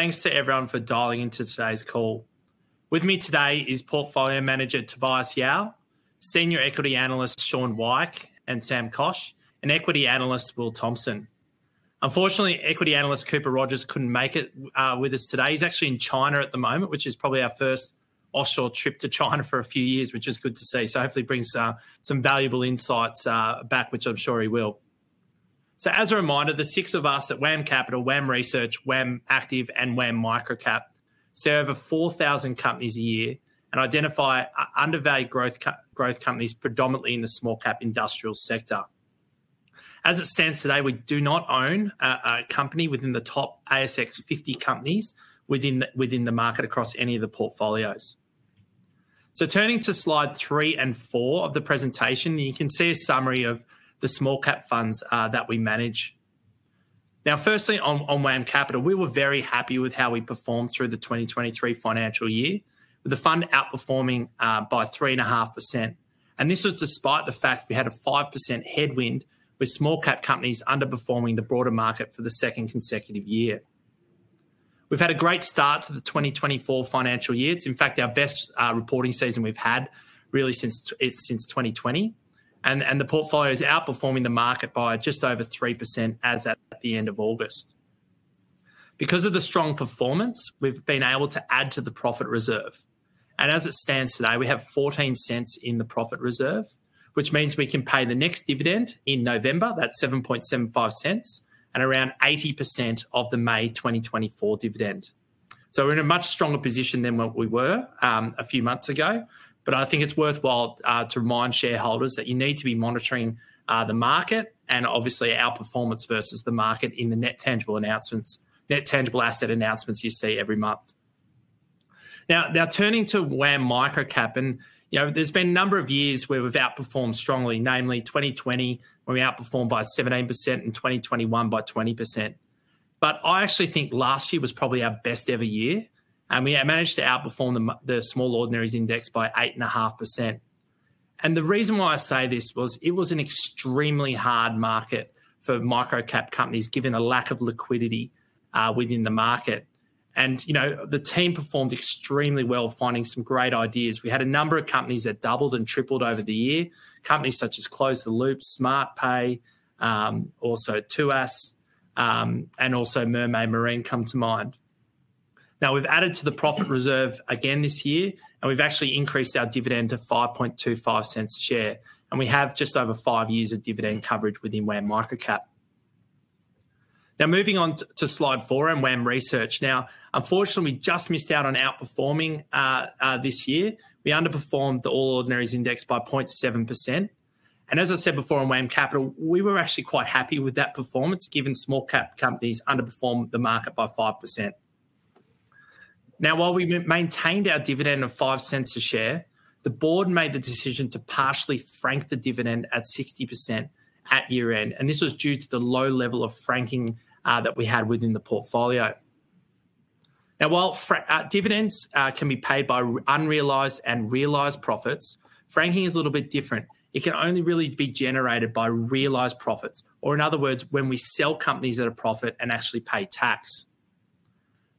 Thanks to everyone for dialing into today's call. With me today is Portfolio Manager Tobias Yao, Senior Equity Analysts Shaun Weick and Sam Koch, and Equity Analyst Will Thompson. Unfortunately, Equity Analyst Cooper Rogers couldn't make it with us today. He's actually in China at the moment, which is probably our first offshore trip to China for a few years, which is good to see. So hopefully he brings some valuable insights back, which I'm sure he will. So as a reminder, the six of us at WAM Capital, WAM Research, WAM Active, and WAM Microcap survey over 4,000 companies a year and identify undervalued growth companies, predominantly in the small cap industrial sector. As it stands today, we do not own a company within the top ASX 50 companies within the market across any of the portfolios. So turning to slide three and four of the presentation, you can see a summary of the small cap funds that we manage. Now, firstly, on WAM Capital, we were very happy with how we performed through the 2023 financial year, with the fund outperforming by 3.5%, and this was despite the fact we had a 5% headwind, with small cap companies underperforming the broader market for the second consecutive year. We've had a great start to the 2024 financial year. It's in fact our best reporting season we've had really since 2020, and the portfolio is outperforming the market by just over 3% as at the end of August. Because of the strong performance, we've been able to add to the profit reserve, and as it stands today, we have 0.14 in the profit reserve, which means we can pay the next dividend in November. That's 0.0775, and around 80% of the May 2024 dividend. So we're in a much stronger position than what we were a few months ago, but I think it's worthwhile to remind shareholders that you need to be monitoring the market and obviously our performance versus the market in the net tangible asset announcements you see every month. Now turning to WAM Microcap, and, you know, there's been a number of years where we've outperformed strongly, namely 2020, where we outperformed by 17%, in 2021 by 20%. But I actually think last year was probably our best ever year, and we managed to outperform the small ordinaries index by 8.5%. The reason why I say this was it was an extremely hard market for micro-cap companies, given the lack of liquidity within the market. You know, the team performed extremely well, finding some great ideas. We had a number of companies that doubled and tripled over the year. Companies such as Close the Loop, Smartpay, also Tuas, and also Mermaid Marine come to mind. Now, we've added to the profit reserve again this year, and we've actually increased our dividend to 0.0525 a share, and we have just over five years of dividend coverage within WAM Microcap. Now, moving on to slide four and WAM Research. Now, unfortunately, we just missed out on outperforming this year. We underperformed the All Ordinaries Index by 0.7%, and as I said before, on WAM Capital, we were actually quite happy with that performance, given small cap companies underperformed the market by 5%. Now, while we maintained our dividend of 0.05 a share, the board made the decision to partially frank the dividend at 60% at year-end, and this was due to the low level of franking that we had within the portfolio. Now, while dividends can be paid by unrealized and realized profits, franking is a little bit different. It can only really be generated by realized profits, or in other words, when we sell companies at a profit and actually pay tax.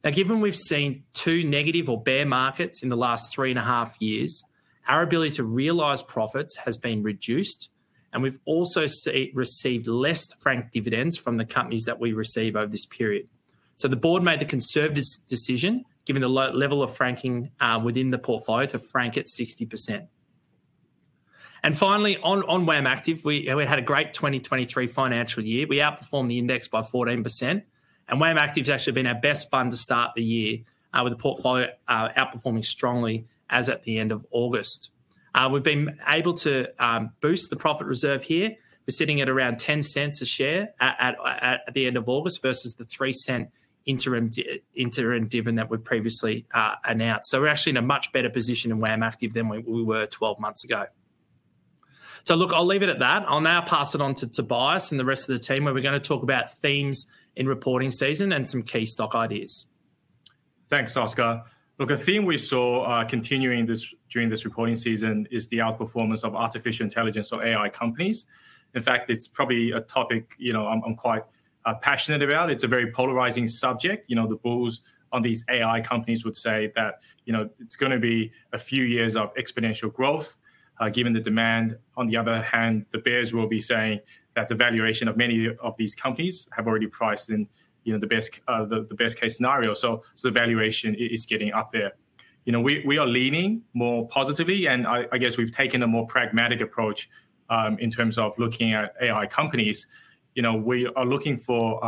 Now, given we've seen 2 negative or bear markets in the last 3.5 years, our ability to realize profits has been reduced, and we've also received less franked dividends from the companies that we receive over this period. So the board made the conservative decision, given the level of franking within the portfolio, to frank it 60%. And finally, on WAM Active, we had a great 2023 financial year. We outperformed the index by 14%, and WAM Active has actually been our best fund to start the year, with the portfolio outperforming strongly as at the end of August. We've been able to boost the profit reserve here. We're sitting at around 0.10 per share at the end of August versus the 0.03 interim dividend that we previously announced. So we're actually in a much better position in WAM Active than we were 12 months ago. So look, I'll leave it at that. I'll now pass it on to Tobias and the rest of the team, where we're gonna talk about themes in reporting season and some key stock ideas. Thanks, Oscar. Look, a theme we saw, continuing this, during this reporting season is the outperformance of artificial intelligence or AI companies. In fact, it's probably a topic, you know, I'm quite passionate about. It's a very polarizing subject. You know, the bulls on these AI companies would say that, you know, it's gonna be a few years of exponential growth, given the demand. On the other hand, the bears will be saying that the valuation of many of these companies have already priced in, you know, the best case scenario, so valuation is getting up there. You know, we are leaning more positively, and I guess we've taken a more pragmatic approach, in terms of looking at AI companies. You know, we are looking for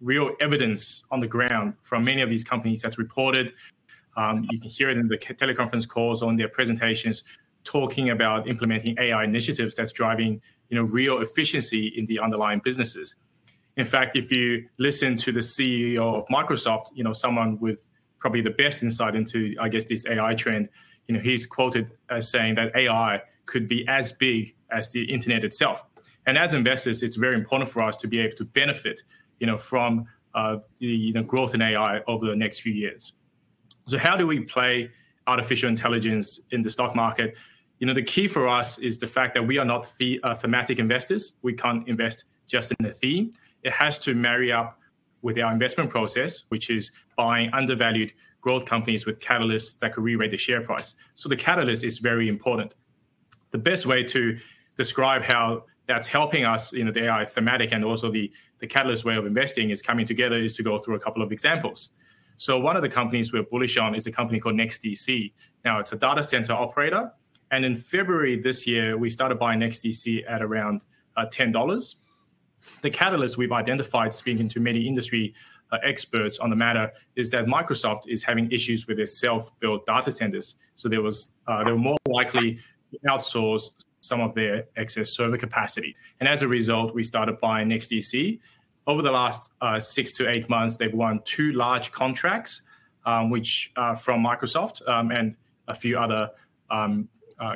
real evidence on the ground from many of these companies that's reported. You can hear it in the teleconference calls, on their presentations, talking about implementing AI initiatives that's driving, you know, real efficiency in the underlying businesses. In fact, if you listen to the CEO of Microsoft, you know, someone with probably the best insight into, I guess, this AI trend, you know, he's quoted as saying that AI could be as big as the internet itself. And as investors, it's very important for us to be able to benefit, you know, from the growth in AI over the next few years. So how do we play artificial intelligence in the stock market? You know, the key for us is the fact that we are not the thematic investors. We can't invest just in the theme. It has to marry up with our investment process, which is buying undervalued growth companies with catalysts that could rewrite the share price. So the catalyst is very important. The best way to describe how that's helping us, you know, the AI thematic and also the catalyst way of investing is coming together, is to go through a couple of examples. So one of the companies we're bullish on is a company called NEXTDC. Now, it's a data center operator, and in February this year, we started buying NEXTDC at around 10 dollars. The catalyst we've identified, speaking to many industry experts on the matter, is that Microsoft is having issues with their self-built data centers, so they were more likely to outsource some of their excess server capacity. And as a result, we started buying NEXTDC. Over the last 6-8 months, they've won two large contracts, which from Microsoft and a few other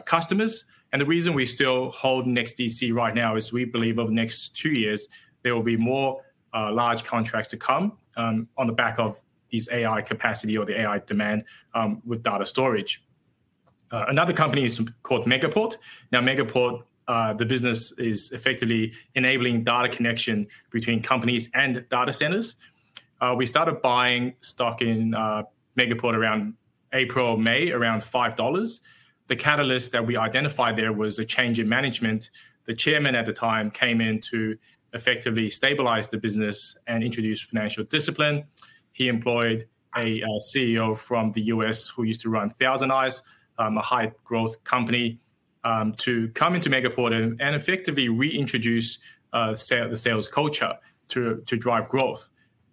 customers. The reason we still hold NEXTDC right now is we believe over the next two years there will be more large contracts to come, on the back of these AI capacity or the AI demand, with data storage. Another company is called Megaport. Now, Megaport, the business is effectively enabling data connection between companies and data centers. We started buying stock in Megaport around April, May, around 5 dollars. The catalyst that we identified there was a change in management. The chairman at the time came in to effectively stabilize the business and introduce financial discipline. He employed a CEO from the U.S. who used to run ThousandEyes, a high-growth company, to come into Megaport and effectively reintroduce the sells culture to drive growth.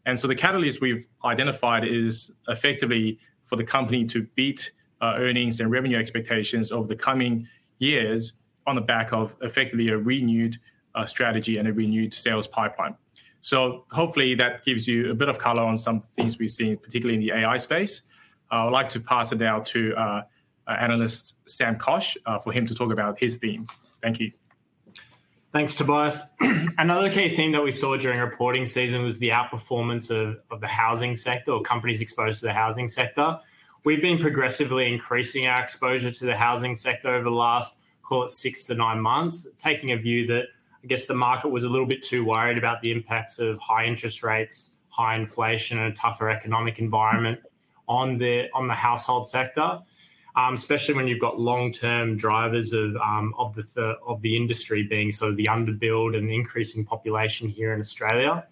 And so the catalyst we've identified is effectively for the company to beat earnings and revenue expectations over the coming years on the back of effectively a renewed strategy and a renewed sells pipeline. So hopefully that gives you a bit of color on some things we've seen, particularly in the AI space. I would like to pass it now to our analyst, Sam Koch, for him to talk about his theme. Thank you. Thanks, Tobias. Another key theme that we saw during reporting season was the outperformance of the housing sector or companies exposed to the housing sector. We've been progressively increasing our exposure to the housing sector over the last, call it, 6-9 months, taking a view that I guess the market was a little bit too worried about the impacts of high interest rates, high inflation, and a tougher economic environment on the household sector. Especially when you've got long-term drivers of the industry being sort of the underbuild and increasing population here in Australia.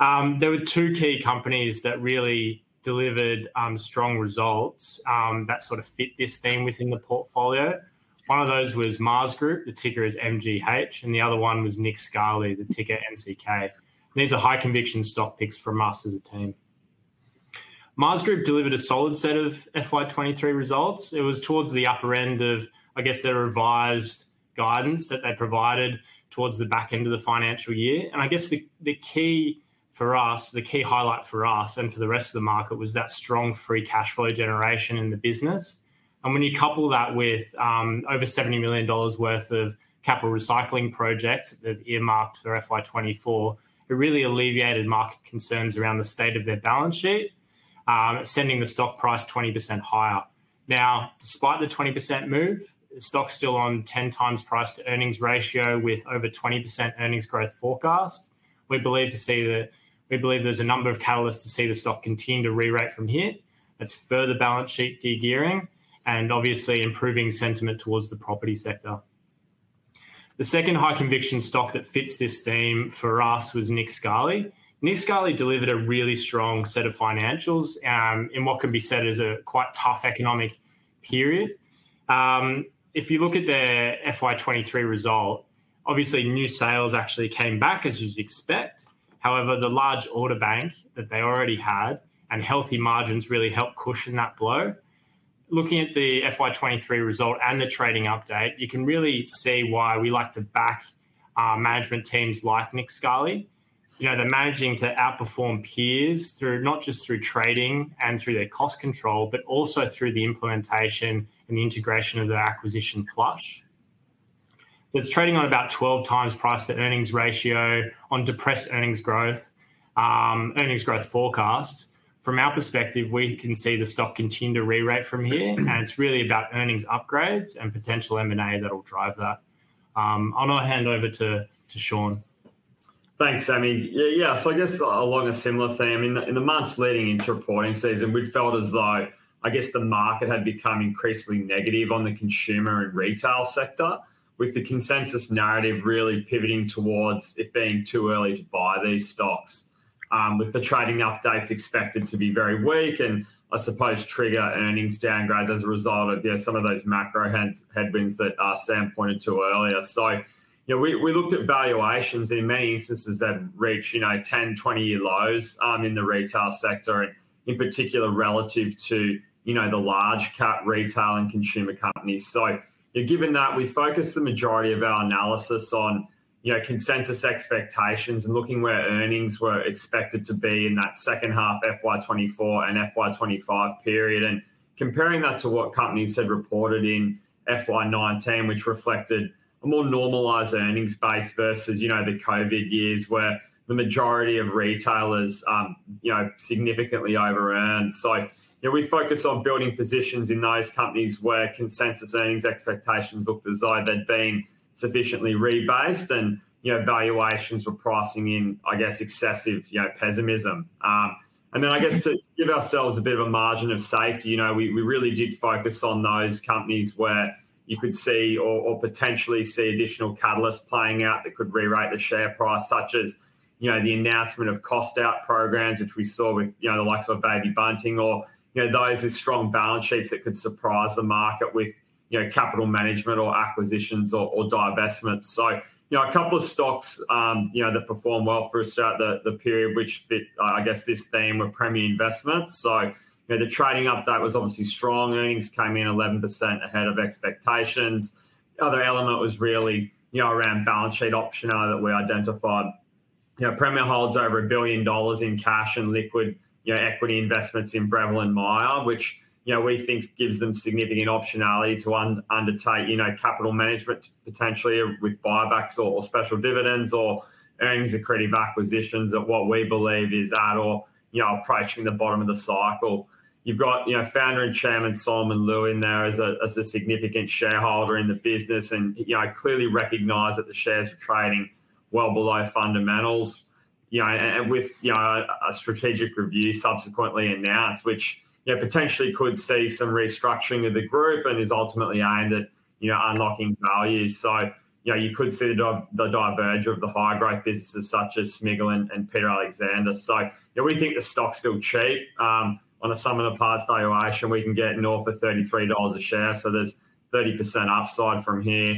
There were two key companies that really delivered strong results that sort of fit this theme within the portfolio. One of those was Maas Group, the ticker is MGH, and the other one was Nick Scali, the ticker NCK. These are high conviction stock picks from us as a team. Maas Group delivered a solid set of FY 2023 results. It was towards the upper end of, I guess, their revised guidance that they provided towards the back end of the financial year. I guess the, the key for us, the key highlight for us and for the rest of the market was that strong free cash flow generation in the business. When you couple that with over 70 million dollars worth of capital recycling projects that they've earmarked for FY 2024, it really alleviated market concerns around the state of their balance sheet, sending the stock price 20% higher. Now, despite the 20% move, the stock's still on 10x price-to-earnings ratio, with over 20% earnings growth forecast. We believe there's a number of catalysts to see the stock continue to re-rate from here. That's further balance sheet de-gearing and obviously improving sentiment towards the property sector. The second high conviction stock that fits this theme for us was Nick Scali. Nick Scali delivered a really strong set of financials in what can be said is a quite tough economic period. If you look at their FY 2023 result, obviously new sells actually came back, as you'd expect. However, the large order bank that they already had and healthy margins really helped cushion that blow. Looking at the FY 2023 result and the trading update, you can really see why we like to back management teams like Nick Scali. You know, they're managing to outperform peers through, not just through trading and through their cost control, but also through the implementation and integration of the acquisition Plush. So it's trading on about 12 times price-to-earnings ratio on depressed earnings growth, earnings growth forecast. From our perspective, we can see the stock continue to re-rate from here, and it's really about earnings upgrades and potential M&A that will drive that. I'll now hand over to Shaun. Thanks, Sammy. Yeah, so I guess along a similar theme, in the months leading into reporting season, we'd felt as though, I guess the market had become increasingly negative on the consumer and retail sector, with the consensus narrative really pivoting towards it being too early to buy these stocks. With the trading updates expected to be very weak and I suppose trigger earnings downgrades as a result of, yeah, some of those macro headwinds that Sam pointed to earlier. So, you know, we, we looked at valuations in many instances that reached, you know, 10- and 20-year lows, in the retail sector, in particular, relative to, you know, the large cap retail and consumer companies. So, given that we focused the majority of our analysis on, you know, consensus expectations and looking where earnings were expected to be in that second half, FY 2024 and FY 2025 period, comparing that to what companies had reported in FY 2019, which reflected a more normalized earnings base versus, you know, the COVID years, where the majority of retailers, you know, significantly overearned. So, yeah, we focus on building positions in those companies where consensus earnings expectations looked as though they'd been sufficiently rebased and, you know, valuations were pricing in, I guess, excessive, you know, pessimism. And then I guess to give ourselves a bit of a margin of safety, you know, we really did focus on those companies where you could see or potentially see additional catalysts playing out that could rewrite the share price, such as, you know, the announcement of cost out programs, which we saw with, you know, the likes of Baby Bunting or, you know, those with strong balance sheets that could surprise the market with, you know, capital management or acquisitions or divestments. So, you know, a couple of stocks, you know, that performed well for us throughout the period, which fit, I guess, this theme were Premier Investments. So, you know, the trading update was obviously strong. Earnings came in 11% ahead of expectations. The other element was really, you know, around balance sheet optionality that we identified. You know, Premier holds over 1 billion dollars in cash and liquid, you know, equity investments in Breville and Myer, which, you know, we think gives them significant optionality to undertake, you know, capital management, potentially with buybacks or special dividends or earnings accretive acquisitions at what we believe is at or, you know, approaching the bottom of the cycle. You've got, you know, founder and chairman, Solomon Lew, in there as a, as a significant shareholder in the business, and, you know, clearly recognize that the shares are trading well below fundamentals. You know, and with, you know, a strategic review subsequently announced, which, you know, potentially could see some restructuring of the group and is ultimately aimed at, you know, unlocking value. So, you know, you could see the the divergence of the high growth businesses such as Smiggle and, and Peter Alexander. So, you know, we think the stock's still cheap. On a sum-of-the-parts valuation, we can get north of 33 dollars a share, so there's 30% upside from here.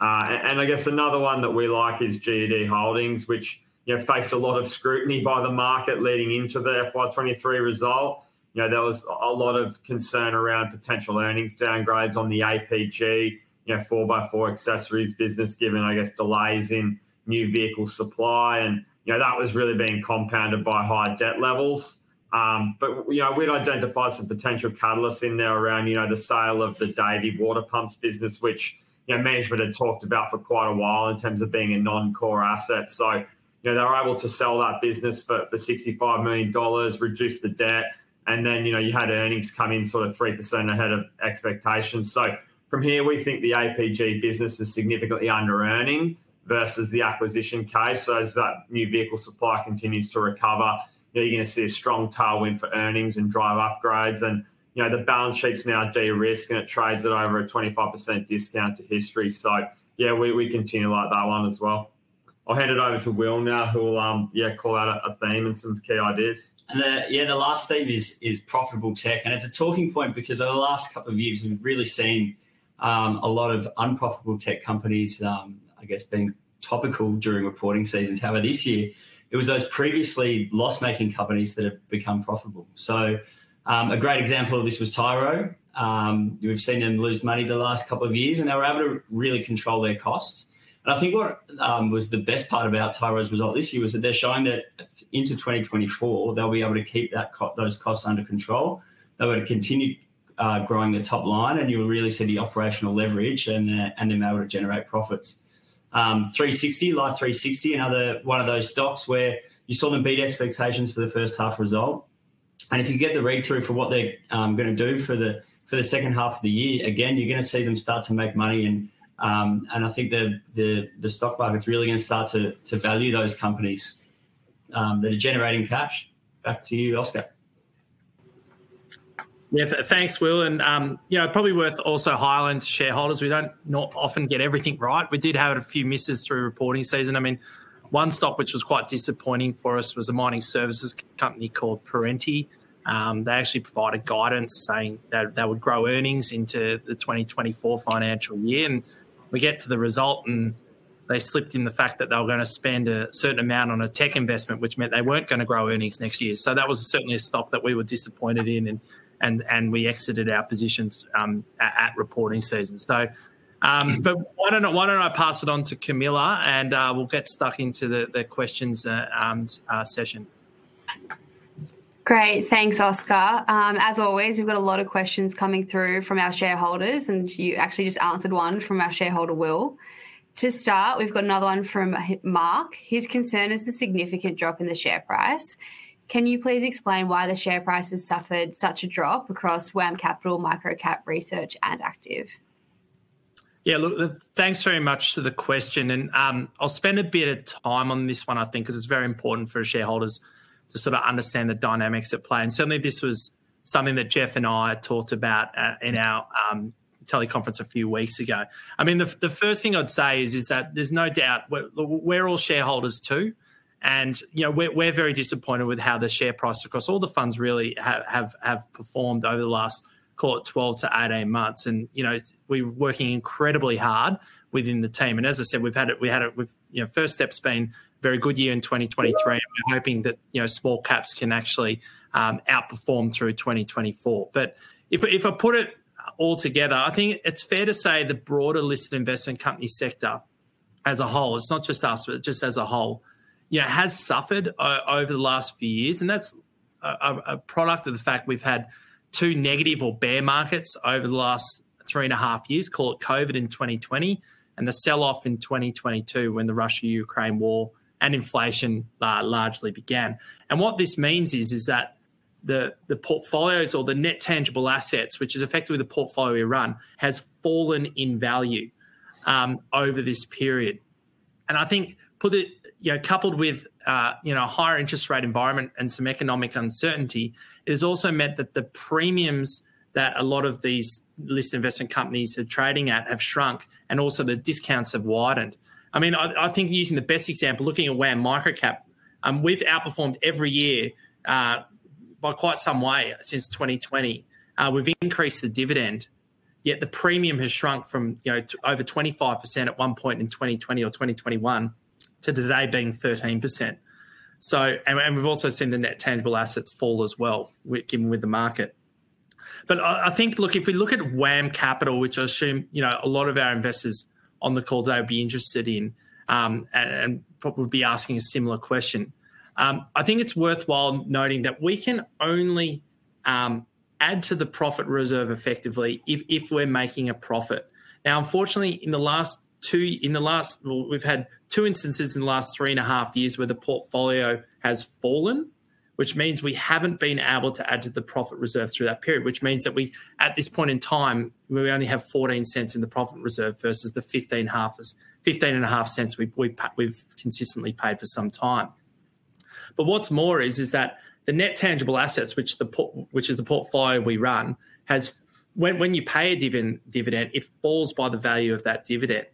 And I guess another one that we like is GUD Holdings, which, you know, faced a lot of scrutiny by the market leading into the FY 2023 result. You know, there was a lot of concern around potential earnings downgrades on the APG, you know, four-by-four accessories business, given, I guess, delays in new vehicle supply, and, you know, that was really being compounded by high debt levels. But, you know, we'd identified some potential catalysts in there around, you know, the sale of the Davey water pumps business, which, you know, management had talked about for quite a while in terms of being a non-core asset. So, you know, they were able to sell that business for 65 million dollars, reduce the debt, and then, you know, you had earnings come in sort of 3% ahead of expectations. So from here, we think the APG business is significantly underearning versus the acquisition case. So as that new vehicle supply continues to recover, you're gonna see a strong tailwind for earnings and drive upgrades, and, you know, the balance sheet's now de-risked, and it trades at over a 25% discount to history. So yeah, we, we continue to like that one as well. I'll hand it over to Will now, who will, yeah, call out a theme and some key ideas. Yeah, the last theme is profitable tech, and it's a talking point because over the last couple of years we've really seen a lot of unprofitable tech companies, I guess, being topical during reporting seasons. However, this year, it was those previously loss-making companies that have become profitable. So, a great example of this was Tyro. We've seen them lose money the last couple of years, and they were able to really control their costs. And I think what was the best part about Tyro's result this year was that they're showing that into 2024, they'll be able to keep those costs under control. They were to continue growing the top line, and you'll really see the operational leverage, and then they were to generate profits. 360, Life360, another one of those stocks where you saw them beat expectations for the first half result. And if you get the read-through for what they are gonna do for the, for the second half of the year, again, you're gonna see them start to make money, and, and I think the stock market's really gonna start to value those companies that are generating cash. Back to you, Oscar. Yeah, thanks, Will, and, you know, probably worth also highlighting to shareholders, we don't not often get everything right. We did have a few misses through reporting season. I mean, one stock, which was quite disappointing for us, was a mining services company called Perenti. They actually provided guidance saying that they would grow earnings into the 2024 financial year, and we get to the result, and they slipped in the fact that they were gonna spend a certain amount on a tech investment, which meant they weren't gonna grow earnings next year. So that was certainly a stock that we were disappointed in, and we exited our positions at reporting season. So, but why don't I pass it on to Camilla, and we'll get stuck into the questions session? Great. Thanks, Oscar. As always, we've got a lot of questions coming through from our shareholders, and you actually just answered one from our shareholder, Will. To start, we've got another one from Mark. His concern is the significant drop in the share price. Can you please explain why the share price has suffered such a drop across WAM Capital, Microcap, Research, and Active? Yeah, look, thanks very much to the question, and, I'll spend a bit of time on this one, I think, 'cause it's very important for our shareholders to sort of understand the dynamics at play, and certainly, this was something that Geoff and I had talked about, in our, teleconference a few weeks ago. I mean, the first thing I'd say is that there's no doubt, we're all shareholders too, and, you know, we're very disappointed with how the share price, across all the funds really, have, have performed over the last, call it, 12-18 months, and, you know, we're working incredibly hard within the team, and as I said, we've had it with... You know, first step's been a very good year in 2023. We're hoping that, you know, small caps can actually outperform through 2024. But if I, if I put it all together, I think it's fair to say the broader listed investment company sector-... as a whole, it's not just us, but just as a whole, yeah, has suffered over the last few years, and that's a product of the fact we've had two negative or bear markets over the last three and a half years, call it COVID in 2020, and the sell-off in 2022, when the Russia-Ukraine war and inflation largely began. And what this means is that the portfolios or the net tangible assets, which is effectively the portfolio we run, has fallen in value over this period. And I think, put it, you know, coupled with, you know, a higher interest rate environment and some economic uncertainty, it has also meant that the premiums that a lot of these listed investment companies are trading at have shrunk, and also the discounts have widened. I mean, I think using the best example, looking at WAM Microcap, we've outperformed every year by quite some way since 2020. We've increased the dividend, yet the premium has shrunk from, you know, over 25% at one point in 2020 or 2021, to today being 13%. So, and we've also seen the Net Tangible Assets fall as well given with the market. But I think, look, if we look at WAM Capital, which I assume, you know, a lot of our investors on the call today would be interested in, and probably be asking a similar question. I think it's worthwhile noting that we can only add to the Profit Reserve effectively if we're making a profit. Now, unfortunately, in the last, well, we've had 2 instances in the last 3.5 years where the portfolio has fallen, which means we haven't been able to add to the profit reserve through that period, which means that we, at this point in time, we only have 0.14 in the profit reserve versus the 0.155 we've consistently paid for some time. But what's more is that the net tangible assets, which is the portfolio we run, has... When you pay a dividend, it falls by the value of that dividend.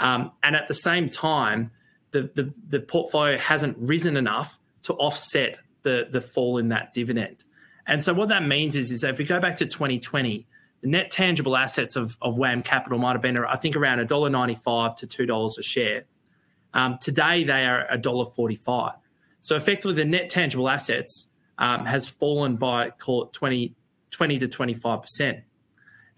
And at the same time, the portfolio hasn't risen enough to offset the fall in that dividend. And so what that means is if we go back to 2020, the net tangible assets of WAM Capital might have been around, I think, around 1.95-2 dollars a share. Today, they are dollar 1.45. So effectively, the net tangible assets has fallen by, call it 20%-25%.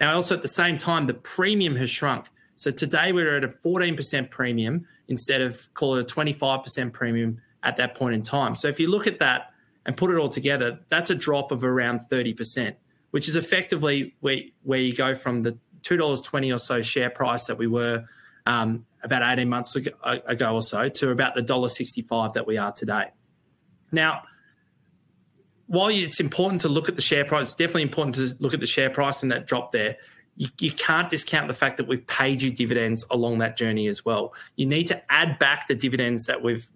Now, also at the same time, the premium has shrunk. So today, we're at a 14% premium instead of, call it, a 25% premium at that point in time. So if you look at that and put it all together, that's a drop of around 30%, which is effectively where you go from the 2.20 dollars or so share price that we were about 18 months ago or so, to about the dollar 1.65 that we are today. Now, while it's important to look at the share price, it's definitely important to look at the share price and that drop there, you can't discount the fact that we've paid you dividends along that journey as well. You need to add back the dividends that we've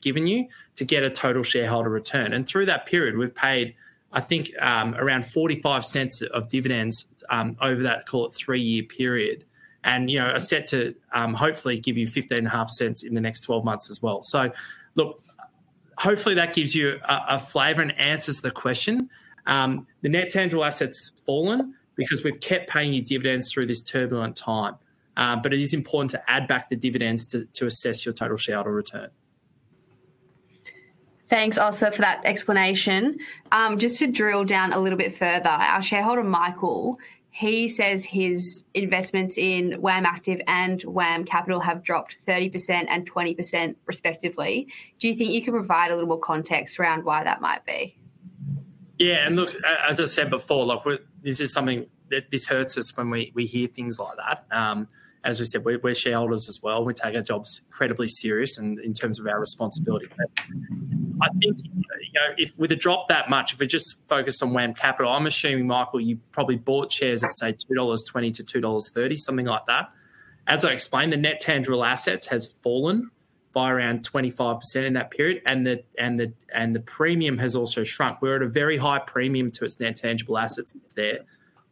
given you to get a total shareholder return. And through that period, we've paid, I think, around 0.45 of dividends over that, call it, 3-year period, and, you know, are set to, hopefully, give you 0.155 in the next 12 months as well. So look, hopefully, that gives you a flavor and answers the question. The net tangible asset's fallen because we've kept paying you dividends through this turbulent time, but it is important to add back the dividends to assess your total shareholder return. Thanks, Oscar, for that explanation. Just to drill down a little bit further, our shareholder, Michael, he says his investments in WAM Active and WAM Capital have dropped 30% and 20%, respectively. Do you think you can provide a little more context around why that might be? Yeah, and look, as I said before, look, this is something that this hurts us when we hear things like that. As we said, we're shareholders as well. We take our jobs incredibly serious in terms of our responsibility. I think, you know, if with a drop that much, if we just focus on WAM Capital, I'm assuming, Michael, you probably bought shares at, say, 2.20-2.30 dollars, something like that. As I explained, the Net Tangible Assets has fallen by around 25% in that period, and the premium has also shrunk. We're at a very high premium to its Net Tangible Assets there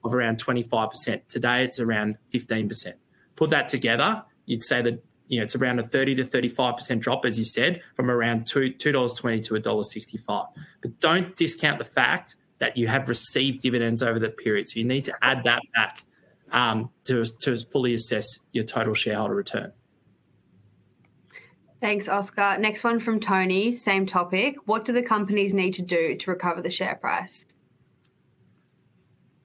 of around 25%. Today, it's around 15%. Put that together, you'd say that, you know, it's around a 30%-35% drop, as you said, from around two, 2.20 to dollar 1.65. But don't discount the fact that you have received dividends over the period, so you need to add that back, to fully assess your total shareholder return. Thanks, Oscar. Next one from Tony, same topic: What do the companies need to do to recover the share price?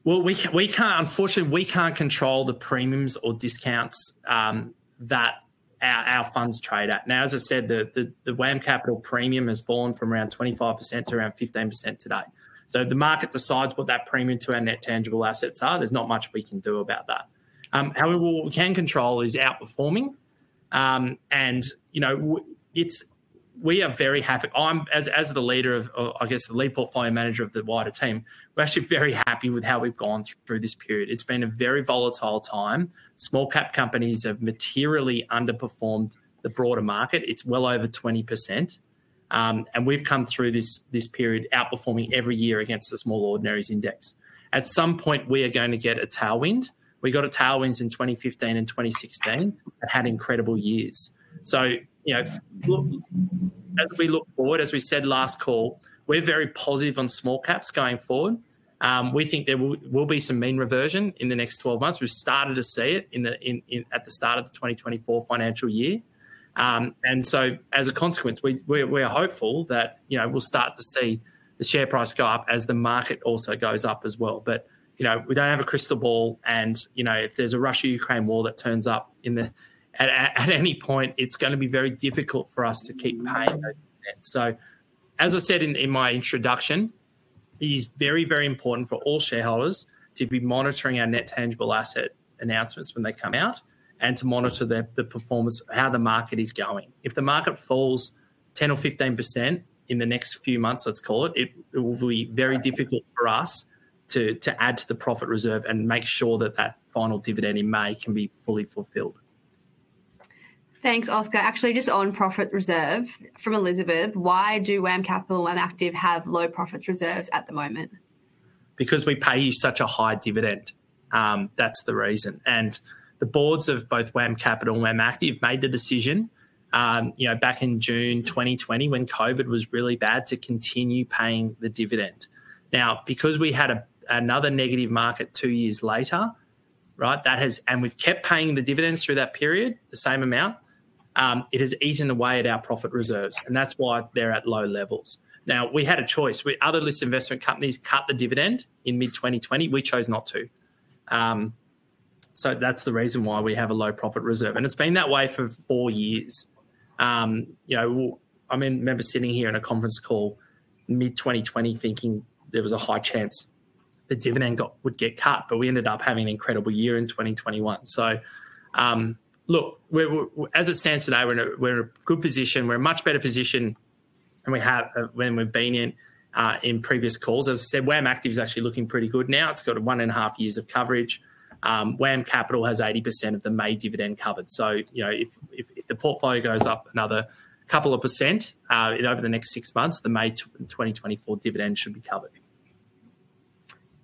Well, we can't unfortunately, we can't control the premiums or discounts that our funds trade at. Now, as I said, the WAM Capital premium has fallen from around 25% to around 15% today. So the market decides what that premium to our net tangible assets are. There's not much we can do about that. However, what we can control is outperforming, and, you know, we are very happy. I'm as the leader of, I guess, the lead portfolio manager of the wider team, we're actually very happy with how we've gone through this period. It's been a very volatile time. Small cap companies have materially underperformed the broader market. It's well over 20%, and we've come through this period outperforming every year against the Small Ordinaries Index. At some point, we are going to get a tailwind. We got a tailwinds in 2015 and 2016, and had incredible years. So, you know, look, as we look forward, as we said last call, we're very positive on small caps going forward. We think there will be some mean reversion in the next 12 months. We've started to see it in the at the start of the 2024 financial year. And so as a consequence, we're hopeful that, you know, we'll start to see the share price go up as the market also goes up as well. But, you know, we don't have a crystal ball, and, you know, if there's a Russia-Ukraine war that turns up in the at any point, it's gonna be very difficult for us to keep paying those debts. So as I said in my introduction, it is very, very important for all shareholders to be monitoring our net tangible asset announcements when they come out, and to monitor the performance, how the market is going. If the market falls 10% or 15% in the next few months, let's call it, it will be very difficult for us to add to the profit reserve and make sure that that final dividend in May can be fully fulfilled. Thanks, Oscar. Actually, just on Profit Reserve, from Elizabeth: "Why do WAM Capital and WAM Active have low Profit Reserves at the moment? Because we pay you such a high dividend. That's the reason. The boards of both WAM Capital and WAM Active made the decision, you know, back in June 2020, when COVID was really bad, to continue paying the dividend. Now, because we had a another negative market two years later, right, that has... And we've kept paying the dividends through that period, the same amount, it has eaten away at our profit reserves, and that's why they're at low levels. Now, we had a choice. Other listed investment companies cut the dividend in mid-2020. We chose not to. So that's the reason why we have a low profit reserve, and it's been that way for four years. You know, I remember sitting here in a conference call mid-2020, thinking there was a high chance the dividend would get cut, but we ended up having an incredible year in 2021. So, look, we're, as it stands today, we're in a good position. We're in a much better position than we have in previous calls. As I said, WAM Active is actually looking pretty good now. It's got 1.5 years of coverage. WAM Capital has 80% of the May dividend covered. So, you know, if the portfolio goes up another couple of % over the next 6 months, the May 2024 dividend should be covered.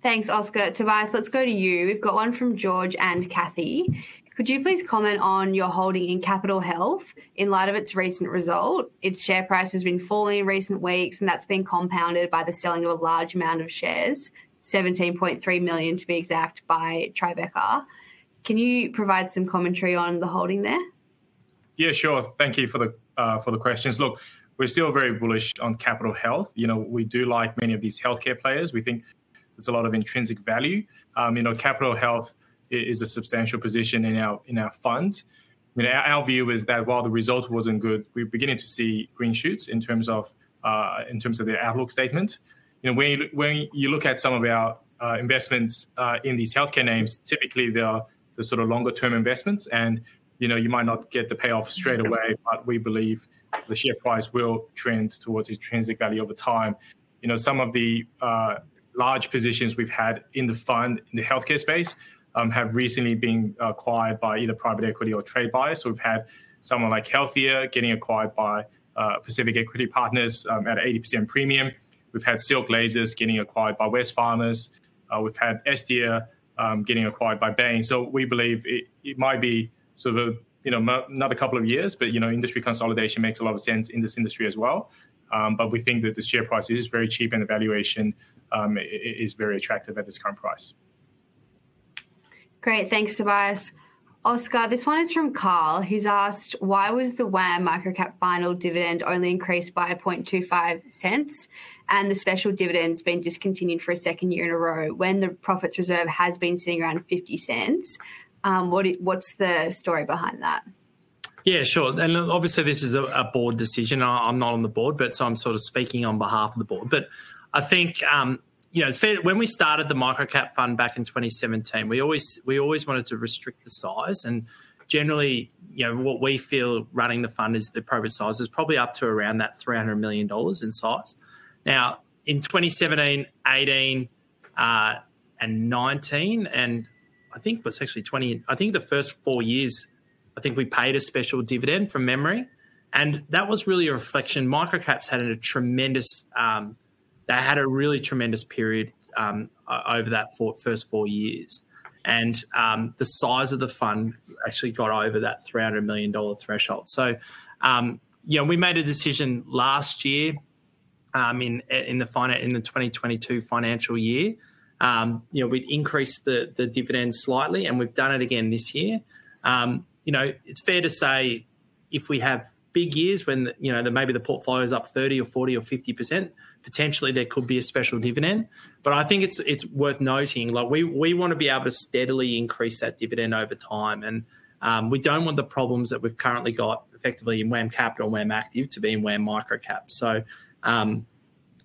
Thanks, Oscar. Tobias, let's go to you. We've got one from George and Kathy: "Could you please comment on your holding in Capitol Health in light of its recent result? Its share price has been falling in recent weeks, and that's been compounded by the selling of a large amount of shares, 17.3 million, to be exact, by Tribeca." Can you provide some commentary on the holding there? Yeah, sure. Thank you for the, for the questions. Look, we're still very bullish on Capitol Health. You know, we do like many of these healthcare players. We think there's a lot of intrinsic value. You know, Capitol Health is a substantial position in our, in our fund. I mean, our, our view is that while the result wasn't good, we're beginning to see green shoots in terms of, in terms of the outlook statement. You know, when you, when you look at some of our, investments, in these healthcare names, typically, they are the sort of longer-term investments, and, you know, you might not get the payoff straight away, but we believe the share price will trend towards its intrinsic value over time. You know, some of the large positions we've had in the fund in the healthcare space have recently been acquired by either private equity or trade buyers. So we've had someone like Healthia getting acquired by Pacific Equity Partners at a 80% premium. We've had Silk Laser getting acquired by Wesfarmers. We've had Estia getting acquired by Bain. So we believe it might be sort of a another couple of years, but you know, industry consolidation makes a lot of sense in this industry as well. But we think that the share price is very cheap, and the valuation is very attractive at this current price. Great. Thanks, Tobias. Oscar, this one is from Carl, who's asked: "Why was the WAM Microcap final dividend only increased by 0.0025, and the special dividend's been discontinued for a second year in a row when the profit reserve has been sitting around 0.50?" What's the story behind that? Yeah, sure. And, obviously, this is a board decision, and I'm not on the board, but so I'm sort of speaking on behalf of the board. But I think, you know, it's fair. When we started the Micro-Cap Fund back in 2017, we always, we always wanted to restrict the size, and generally, you know, what we feel running the fund is the appropriate size is probably up to around that 300 million dollars in size. Now, in 2017, 2018, and 2019, and I think it was actually 2020, I think the first four years, I think we paid a special dividend from memory, and that was really a reflection. Micro-caps had a tremendous, they had a really tremendous period, over that first four years. And, the size of the fund actually got over that 300 million dollar threshold. So, you know, we made a decision last year, in the 2022 financial year, you know, we'd increased the dividend slightly, and we've done it again this year. You know, it's fair to say if we have big years when the, you know, maybe the portfolio is up 30% or 40% or 50%, potentially there could be a special dividend. But I think it's worth noting, like, we wanna be able to steadily increase that dividend over time, and we don't want the problems that we've currently got effectively in WAM Capital and WAM Active to be in WAM Microcap. So,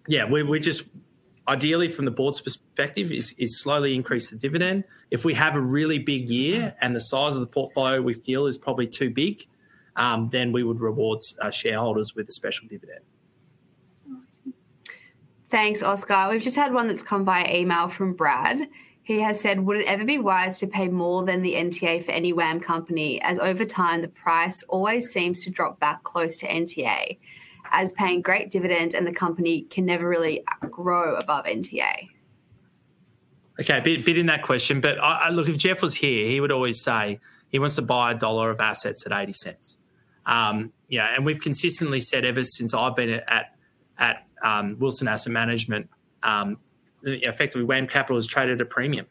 yeah, we just... ideally, from the board's perspective, is slowly increase the dividend. If we have a really big year and the size of the portfolio we feel is probably too big, then we would reward our shareholders with a special dividend. Thanks, Oscar. We've just had one that's come via email from Brad. He has said: "Would it ever be wise to pay more than the NTA for any WAM company, as over time, the price always seems to drop back close to NTA, as paying great dividend and the company can never really grow above NTA? Okay, a bit in that question, but... Look, if Geoff was here, he would always say he wants to buy a dollar of assets at eighty cents. You know, and we've consistently said ever since I've been at Wilson Asset Management, effectively, WAM Capital has traded a premium.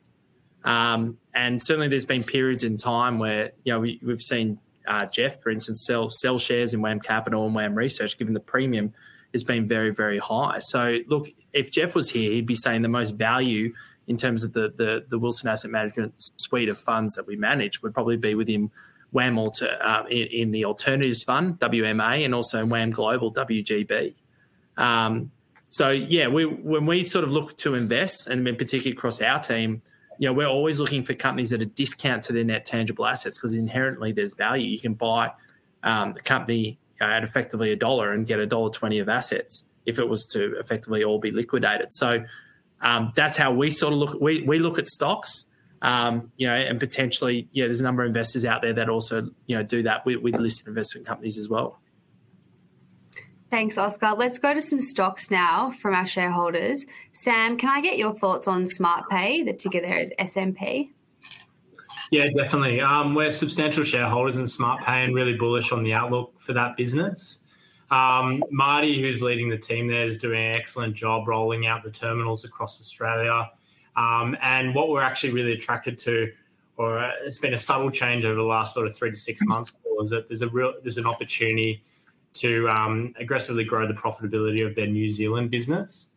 And certainly there's been periods in time where, you know, we, we've seen, Geoff, for instance, sell shares in WAM Capital and WAM Research, given the premium has been very, very high. So look, if Geoff was here, he'd be saying the most value in terms of the Wilson Asset Management suite of funds that we manage, would probably be within WAM Alts, in the alternatives fund, WMA, and also in WAM Global, WGB. So yeah, when we sort of look to invest, and in particular across our team, you know, we're always looking for companies that are discount to their Net Tangible Assets, 'cause inherently there's value. You can buy a company at effectively AUD 1 and get dollar 1.20 of assets, if it was to effectively all be liquidated. So, that's how we sort of look. We look at stocks, you know, and potentially, you know, there's a number of investors out there that also, you know, do that with listed investment companies as well. Thanks, Oscar. Let's go to some stocks now from our shareholders. Sam, can I get your thoughts on Smartpay? The ticker there is SMP. Yeah, definitely. We're substantial shareholders in Smartpay and really bullish on the outlook for that business. Marty, who's leading the team there, is doing an excellent job rolling out the terminals across Australia. And what we're actually really attracted to, or it's been a subtle change over the last sort of 3-6 months, is that there's a real opportunity to aggressively grow the profitability of their New Zealand business,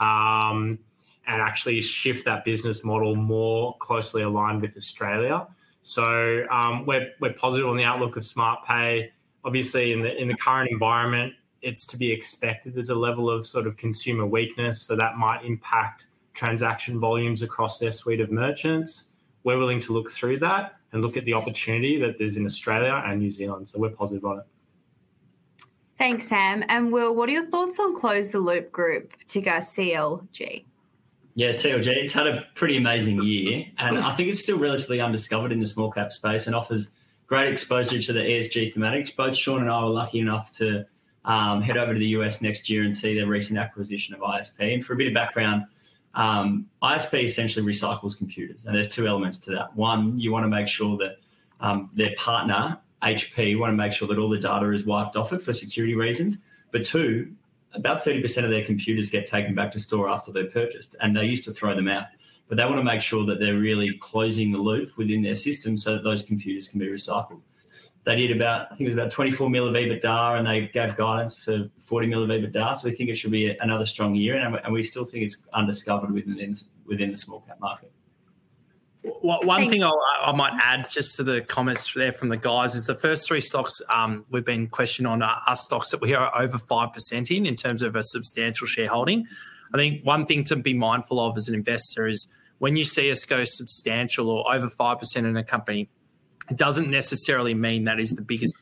and actually shift that business model more closely aligned with Australia. So, we're positive on the outlook of Smartpay. Obviously, in the current environment, it's to be expected there's a level of sort of consumer weakness, so that might impact transaction volumes across their suite of merchants. We're willing to look through that and look at the opportunity that there's in Australia and New Zealand, so we're positive on it. Thanks, Sam, and Will, what are your thoughts on Close the Loop Group, ticker CLG? Yeah, CLG, it's had a pretty amazing year, and I think it's still relatively undiscovered in the small cap space and offers great exposure to the ESG thematics. Both Shaun and I were lucky enough to head over to the U.S. next year and see their recent acquisition of ISP. And for a bit of background, ISP essentially recycles computers, and there's two elements to that: one, you wanna make sure that their partner, HP, you wanna make sure that all the data is wiped off it for security reasons, but two, about 30% of their computers get taken back to store after they're purchased, and they used to throw them out. But they wanna make sure that they're really closing the loop within their system so that those computers can be recycled. They did about, I think it was about 24 million of EBITDA, and they gave guidance for 40 million of EBITDA, so we think it should be another strong year, and we, and we still think it's undiscovered within, within the small cap market. One thing- Thanks.... I might add just to the comments there from the guys, is the first three stocks we've been questioned on, are stocks that we are over 5% in, in terms of a substantial shareholding. I think one thing to be mindful of as an investor is when you see us go substantial or over 5% in a company, it doesn't necessarily mean that is the biggest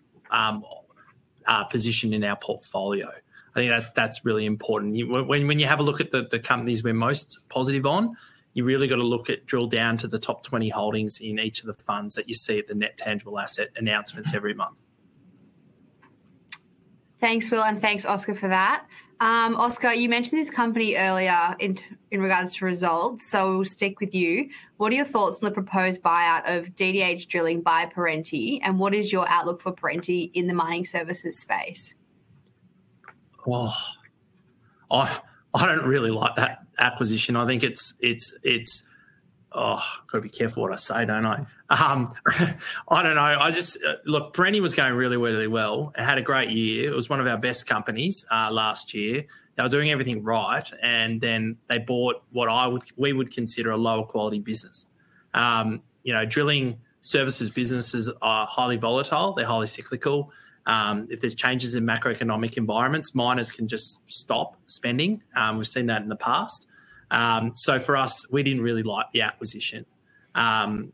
position in our portfolio. I think that, that's really important. When you have a look at the companies we're most positive on, you really got to look at, drill down to the top 20 holdings in each of the funds that you see at the net tangible asset announcements every month. Thanks, Will, and thanks, Oscar, for that. Oscar, you mentioned this company earlier in regards to results, so we'll stick with you. What are your thoughts on the proposed buyout of DDH Drilling by Perenti, and what is your outlook for Perenti in the mining services space? Well, I don't really like that acquisition. I think it's... Oh, got to be careful what I say, don't I? I don't know. Look, Perenti was going really, really well. It had a great year. It was one of our best companies last year. They were doing everything right, and then they bought what I would, we would consider a lower quality business. You know, drilling services businesses are highly volatile, they're highly cyclical. If there's changes in macroeconomic environments, miners can just stop spending. We've seen that in the past. So for us, we didn't really like the acquisition to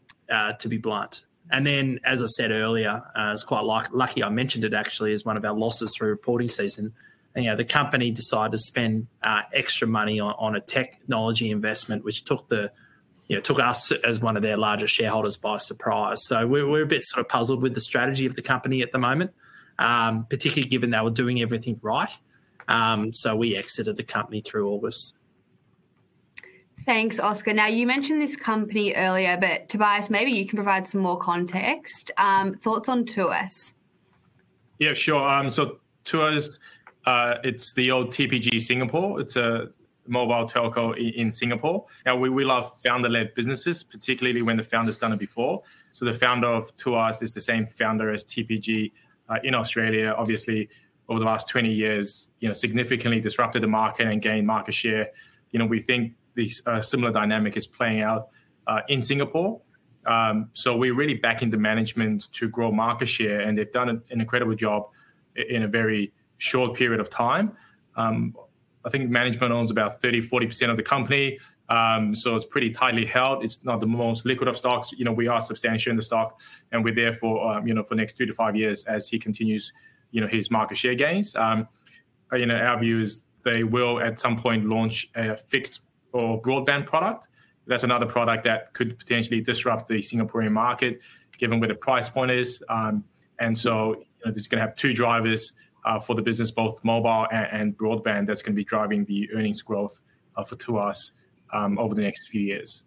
be blunt. And then, as I said earlier, it's quite lucky, I mentioned it actually as one of our losses through reporting season. You know, the company decided to spend extra money on a technology investment, which took the, you know, took us as one of their largest shareholders by surprise. So we're a bit sort of puzzled with the strategy of the company at the moment, particularly given they were doing everything right. So we exited the company through August. Thanks, Oscar. Now, you mentioned this company earlier, but Tobias, maybe you can provide some more context. Thoughts on Tuas? Yeah, sure. So Tuas, it's the old TPG Singapore. It's a mobile telco in Singapore, and we love founder-led businesses, particularly when the founder's done it before. So the founder of Tuas is the same founder as TPG in Australia. Obviously, over the last 20 years, you know, significantly disrupted the market and gained market share. You know, we think a similar dynamic is playing out in Singapore. So we're really backing the management to grow market share, and they've done an incredible job in a very short period of time. I think management owns about 30%-40% of the company, so it's pretty tightly held. It's not the most liquid of stocks. You know, we are substantial in the stock, and we're there for, you know, for the next 2-5 years as he continues, you know, his market share gains. You know, our view is they will at some point launch a fixed or broadband product. That's another product that could potentially disrupt the Singaporean market, given where the price point is. And so it's gonna have two drivers, for the business, both mobile and broadband, that's gonna be driving the earnings growth, for Tuas, over the next few years....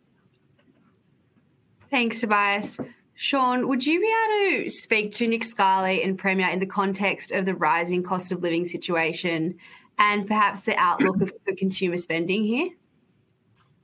Thanks, Tobias. Shaun, would you be able to speak to Nick Scali and Premier in the context of the rising cost of living situation, and perhaps the outlook for consumer spending here?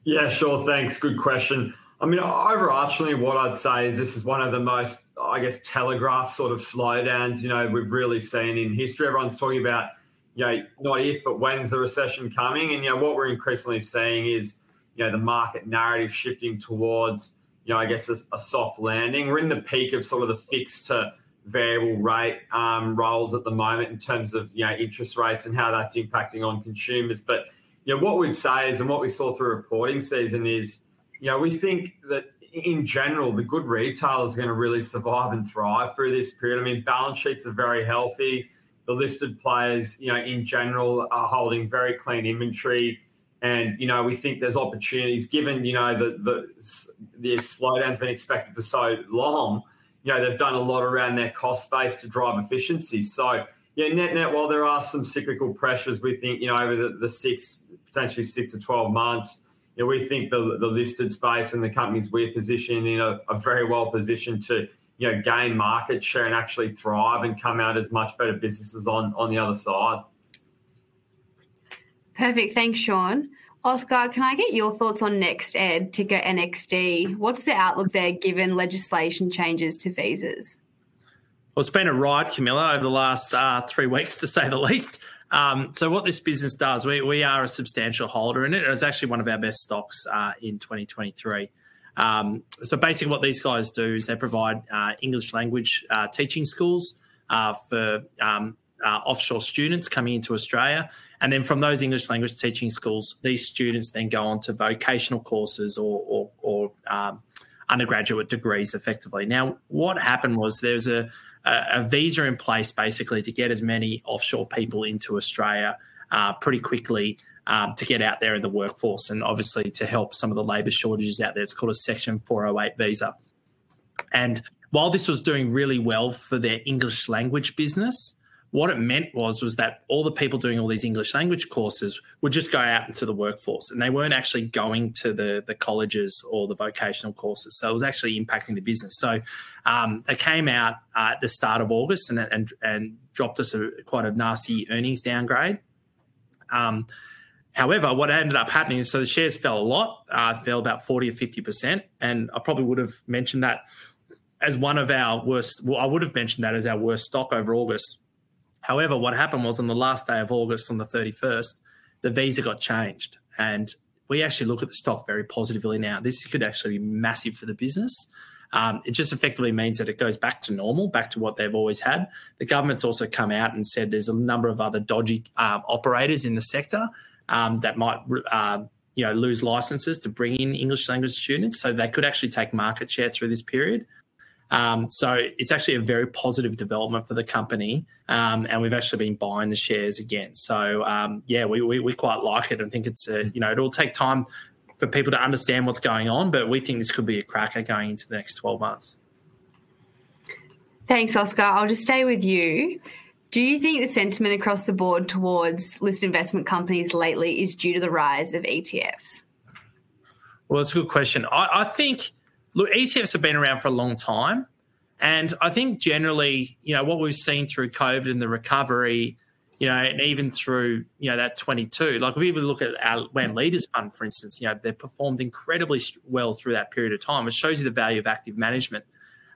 Yeah, sure. Thanks. Good question. I mean, overarchingly, what I'd say is, this is one of the most, I guess, telegraphed sort of slowdowns, you know, we've really seen in history. Everyone's talking about, you know, not if, but when is the recession coming? And, you know, what we're increasingly seeing is, you know, the market narrative shifting towards, you know, I guess, a soft landing. We're in the peak of some of the fixed to variable rate rolls at the moment in terms of, you know, interest rates and how that's impacting on consumers. But, you know, what we'd say is, and what we saw through reporting season is, you know, we think that in general, the good retail is gonna really survive and thrive through this period. I mean, balance sheets are very healthy. The listed players, you know, in general, are holding very clean inventory, and, you know, we think there's opportunities given, you know, the slowdown has been expected for so long. You know, they've done a lot around their cost base to drive efficiency. So, yeah, net-net, while there are some cyclical pressures, we think, you know, over the 6-12 months, yeah, we think the listed space and the companies we're positioned in are very well positioned to, you know, gain market share and actually thrive and come out as much better businesses on, on the other side. Perfect. Thanks, Shaun. Oscar, can I get your thoughts on NextEd, ticker NXD? What's the outlook there, given legislation changes to visas? Well, it's been a ride, Camilla, over the last three weeks, to say the least. So what this business does, we are a substantial holder in it, and it's actually one of our best stocks in 2023. So basically what these guys do is they provide English language teaching schools for offshore students coming into Australia, and then from those English language teaching schools, these students then go on to vocational courses or undergraduate degrees, effectively. Now, what happened was there was a visa in place, basically to get as many offshore people into Australia pretty quickly to get out there in the workforce and obviously to help some of the labor shortages out there. It's called a Section 408 Visa. While this was doing really well for their English language business, what it meant was that all the people doing all these English language courses would just go out into the workforce, and they weren't actually going to the colleges or the vocational courses, so it was actually impacting the business. They came out at the start of August and dropped a quite nasty earnings downgrade. However, what ended up happening, so the shares fell a lot, fell about 40% or 50%, and I probably would have mentioned that as one of our worst... Well, I would have mentioned that as our worst stock over August. However, what happened was on the last day of August, on the thirty-first, the visa got changed, and we actually look at the stock very positively now. This could actually be massive for the business. It just effectively means that it goes back to normal, back to what they've always had. The government's also come out and said there's a number of other dodgy operators in the sector that might, you know, lose licenses to bring in English language students, so they could actually take market share through this period. So it's actually a very positive development for the company, and we've actually been buying the shares again. So, yeah, we quite like it and think it's a, you know, it'll take time for people to understand what's going on, but we think this could be a cracker going into the next 12 months. Thanks, Oscar. I'll just stay with you. Do you think the sentiment across the board towards listed investment companies lately is due to the rise of ETFs? Well, it's a good question. I think, look, ETFs have been around for a long time, and I think generally, you know, what we've seen through COVID and the recovery, you know, and even through, you know, that 2022, like if we even look at our WAM Leaders Fund, for instance, you know, they performed incredibly well through that period of time, which shows you the value of active management.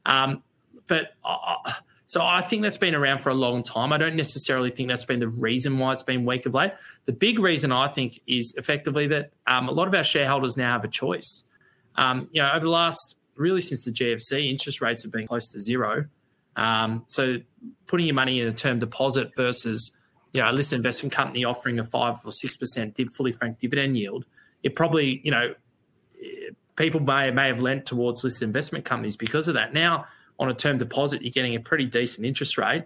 But I think that's been around for a long time. I don't necessarily think that's been the reason why it's been weak of late. The big reason, I think, is effectively that a lot of our shareholders now have a choice. You know, over the last, really since the GFC, interest rates have been close to zero. So putting your money in a term deposit versus, you know, a listed investment company offering a 5%-6% fully franked dividend yield, it probably, you know, people may have leaned towards listed investment companies because of that. Now, on a term deposit, you're getting a pretty decent interest rate.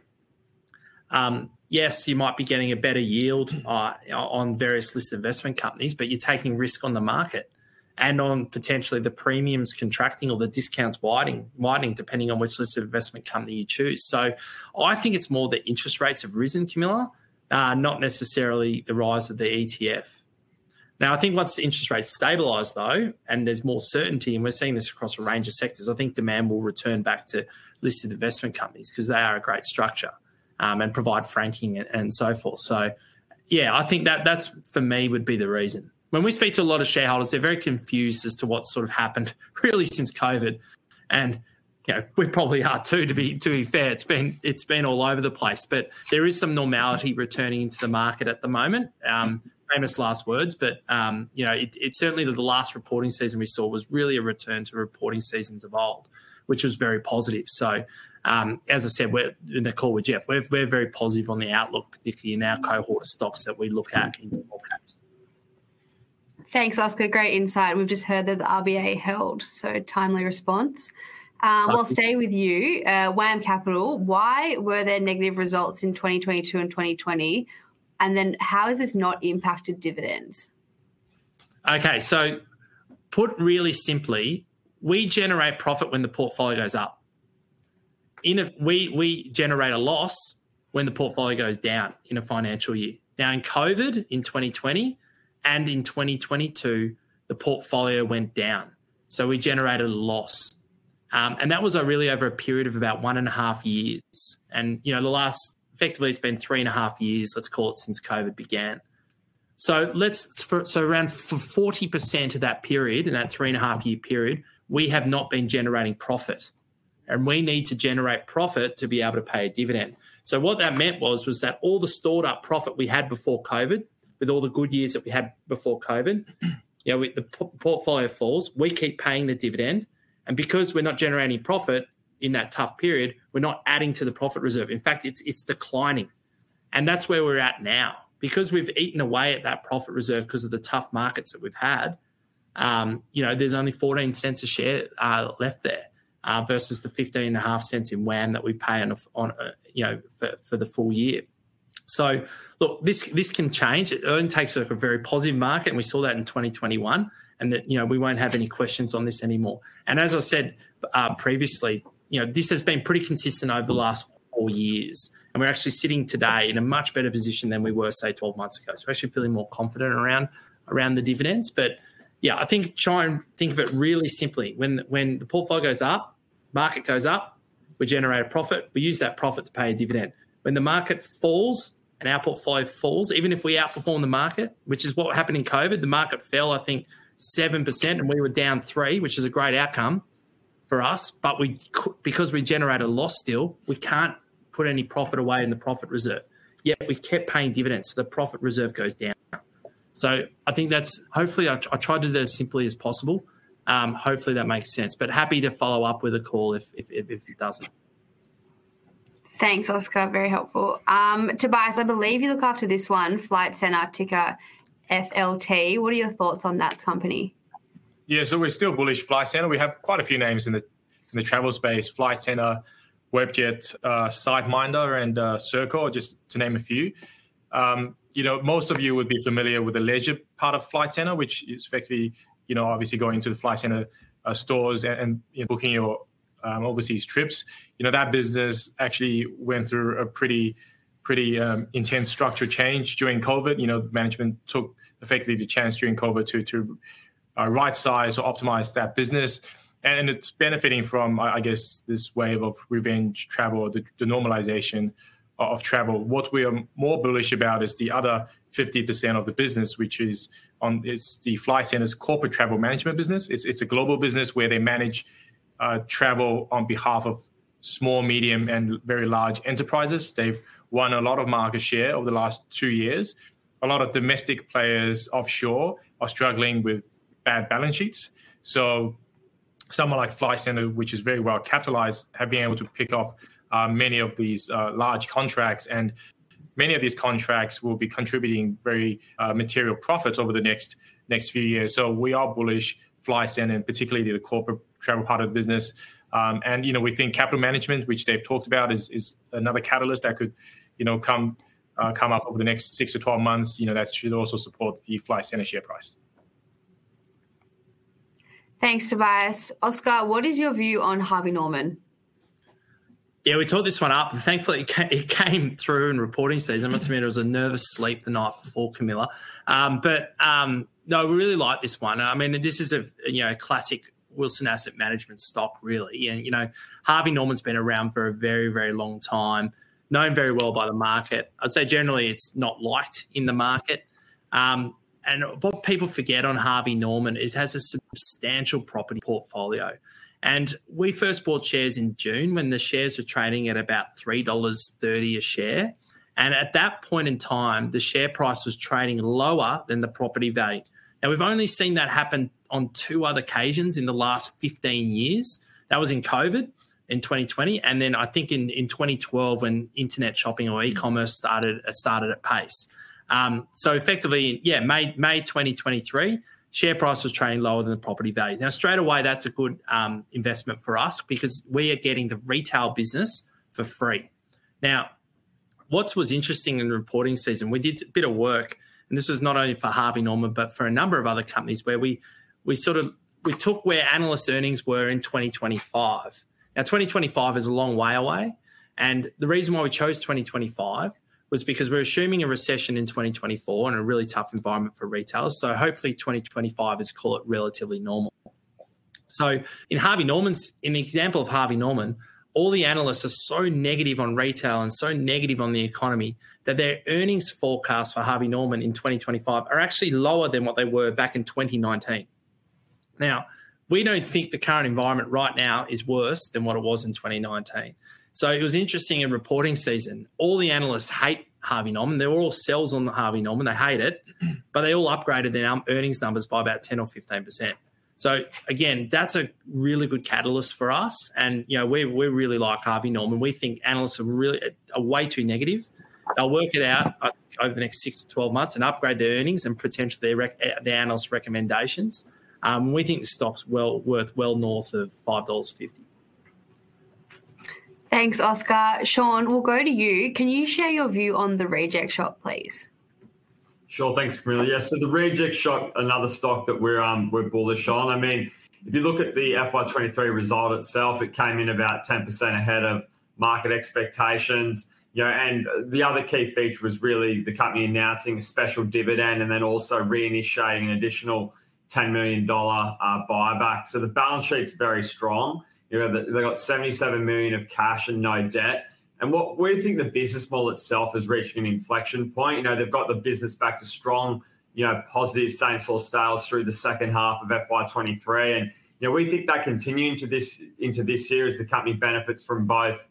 Yes, you might be getting a better yield on various listed investment companies, but you're taking risk on the market and on potentially the premiums contracting or the discounts widening, depending on which listed investment company you choose. So I think it's more the interest rates have risen, Camilla, not necessarily the rise of the ETF. Now, I think once the interest rates stabilize, though, and there's more certainty, and we're seeing this across a range of sectors, I think demand will return back to listed investment companies 'cause they are a great structure, and provide franking and so forth. So yeah, I think that, that's for me, would be the reason. When we speak to a lot of shareholders, they're very confused as to what sort of happened really since COVID, and, you know, we probably are too, to be fair, it's been, it's been all over the place. But there is some normality returning into the market at the moment. Famous last words, but, you know, it certainly the last reporting season we saw was really a return to reporting seasons of old, which was very positive. As I said, in the call with Geoff, we're very positive on the outlook this year in our cohort of stocks that we look at in small caps. Thanks, Oscar. Great insight. We've just heard that the RBA held, so timely response. We'll stay with you. WAM Capital, why were there negative results in 2022 and 2020? And then how has this not impacted dividends? Okay, so put really simply, we generate profit when the portfolio goes up. We generate a loss when the portfolio goes down in a financial year. Now, in COVID, in 2020 and in 2022, the portfolio went down, so we generated a loss. And that was really over a period of about one and a half years. And, you know, the last, effectively, it's been three and a half years, let's call it, since COVID began. So around 40% of that period, in that three-and-a-half-year period, we have not been generating profit, and we need to generate profit to be able to pay a dividend. So what that meant was that all the stored-up profit we had before COVID, with all the good years that we had before COVID, you know, with the portfolio falls, we keep paying the dividend, and because we're not generating profit in that tough period, we're not adding to the profit reserve. In fact, it's declining. And that's where we're at now. Because we've eaten away at that profit reserve because of the tough markets that we've had, you know, there's only 0.14 a share left there versus the 0.155 in WAM that we pay on a, you know, for the full year. So look, this can change. It just takes a very positive market, and we saw that in 2021, and that, you know, we won't have any questions on this anymore. As I said, previously, you know, this has been pretty consistent over the last four years, and we're actually sitting today in a much better position than we were, say, 12 months ago, especially feeling more confident around the dividends. But yeah, I think try and think of it really simply. When the portfolio goes up, market goes up, we generate a profit, we use that profit to pay a dividend. When the market falls and our portfolio falls, even if we outperform the market, which is what happened in COVID, the market fell, I think 7%, and we were down 3, which is a great outcome for us, but we because we generate a loss still, we can't put any profit away in the Profit Reserve. Yet we've kept paying dividends, so the Profit Reserve goes down. So I think that's... Hopefully, I tried to do that as simply as possible. Hopefully, that makes sense, but happy to follow up with a call if it doesn't. Thanks, Oscar. Very helpful. Tobias, I believe you look after this one, Flight Centre, ticker FLT. What are your thoughts on that company? Yeah, so we're still bullish, Flight Centre. We have quite a few names in the, in the travel space, Flight Centre, Webjet, SiteMinder, and Serko, just to name a few. You know, most of you would be familiar with the leisure part of Flight Centre, which is effectively, you know, obviously going to the Flight Centre stores and booking your overseas trips. You know, that business actually went through a pretty, pretty intense structure change during COVID. You know, management took effectively the chance during COVID to, to rightsize or optimize that business, and it's benefiting from, I guess, this wave of revenge travel, the normalization of travel. What we are more bullish about is the other 50% of the business, which is Flight Centre's corporate travel management business. It's a global business where they manage travel on behalf of small, medium, and very large enterprises. They've won a lot of market share over the last two years. A lot of domestic players offshore are struggling with bad balance sheets, so someone like Flight Centre, which is very well-capitalized, have been able to pick off many of these large contracts, and many of these contracts will be contributing very material profits over the next few years. So we are bullish, Flight Centre, and particularly the corporate travel part of the business. And, you know, we think capital management, which they've talked about, is another catalyst that could, you know, come up over the next six to 12 months, you know, that should also support the Flight Centre share price. Thanks, Tobias. Oscar, what is your view on Harvey Norman? Yeah, we talked this one up, and thankfully, it came through in reporting season. I must admit, it was a nervous sleep the night before, Camilla. But, no, we really like this one. I mean, this is a, you know, classic Wilson Asset Management stock, really. And, you know, Harvey Norman's been around for a very, very long time, known very well by the market. I'd say generally, it's not liked in the market. And what people forget on Harvey Norman is it has a substantial property portfolio. And we first bought shares in June when the shares were trading at about 3.30 dollars a share, and at that point in time, the share price was trading lower than the property value. Now, we've only seen that happen on two other occasions in the last 15 years. That was in COVID, in 2020, and then I think in 2012 when internet shopping or e-commerce started at pace. So effectively, yeah, May 2023, share price was trading lower than the property value. Now, straight away, that's a good investment for us because we are getting the retail business for free. Now, what was interesting in the reporting season, we did a bit of work, and this is not only for Harvey Norman, but for a number of other companies where we sort of took where analyst earnings were in 2025. Now, 2025 is a long way away, and the reason why we chose 2025 was because we're assuming a recession in 2024 and a really tough environment for retail, so hopefully 2025 is, call it, relatively normal. So in the example of Harvey Norman, all the analysts are so negative on retail and so negative on the economy, that their earnings forecast for Harvey Norman in 2025 are actually lower than what they were back in 2019. Now, we don't think the current environment right now is worse than what it was in 2019. So it was interesting in reporting season, all the analysts hate Harvey Norman. They're all sells on the Harvey Norman. They hate it, but they all upgraded their earnings numbers by about 10%-15%. So again, that's a really good catalyst for us, and, you know, we, we really like Harvey Norman. We think analysts are really are way too negative. They'll work it out over the next six to 12 months and upgrade their earnings and potentially the analysts' recommendations. We think the stock's well worth well north of 5.50 dollars. Thanks, Oscar. Shaun, we'll go to you. Can you share your view on The Reject Shop, please?... Sure. Thanks, Camilla. Yeah, so The Reject Shop, another stock that we're, we're bullish on. I mean, if you look at the FY 2023 result itself, it came in about 10% ahead of market expectations. Yeah, and the other key feature was really the company announcing a special dividend and then also reinitiating an additional 10 million dollar, buyback. So the balance sheet's very strong. You know, they, they got 77 million of cash and no debt. And we think the business model itself has reached an inflection point. You know, they've got the business back to strong, you know, positive same store sells through the second half of FY 2023. You know, we think that continuing to this, into this year as the company benefits from both,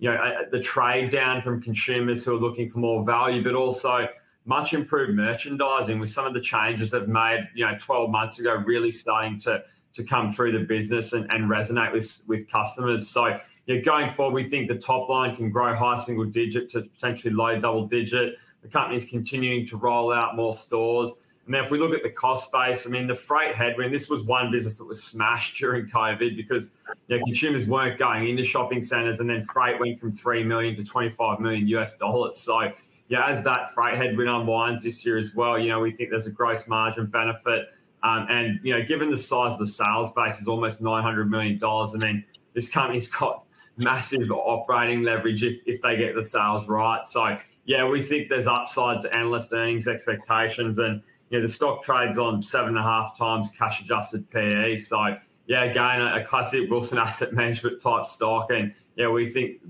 you know, the trade down from consumers who are looking for more value, but also much improved merchandising with some of the changes they've made, you know, 12 months ago, really starting to come through the business and resonate with customers. So, yeah, going forward, we think the top line can grow high single-digit to potentially low double-digit. The company is continuing to roll out more stores. Then if we look at the cost base, I mean, the freight headwind, this was one business that was smashed during COVID because, you know, consumers weren't going into shopping centers, and then freight went from $3 million to $25 million. So, yeah, as that freight headwind unwinds this year as well, you know, we think there's a gross margin benefit. And, you know, given the size of the sells base is almost 900 million dollars, I mean, this company's got massive operating leverage if they get the sells right. So, yeah, we think there's upside to analyst earnings expectations, and, you know, the stock trades on 7.5 times cash-adjusted PE. So, yeah, again, a classic Wilson Asset Management type stock, and, yeah, we think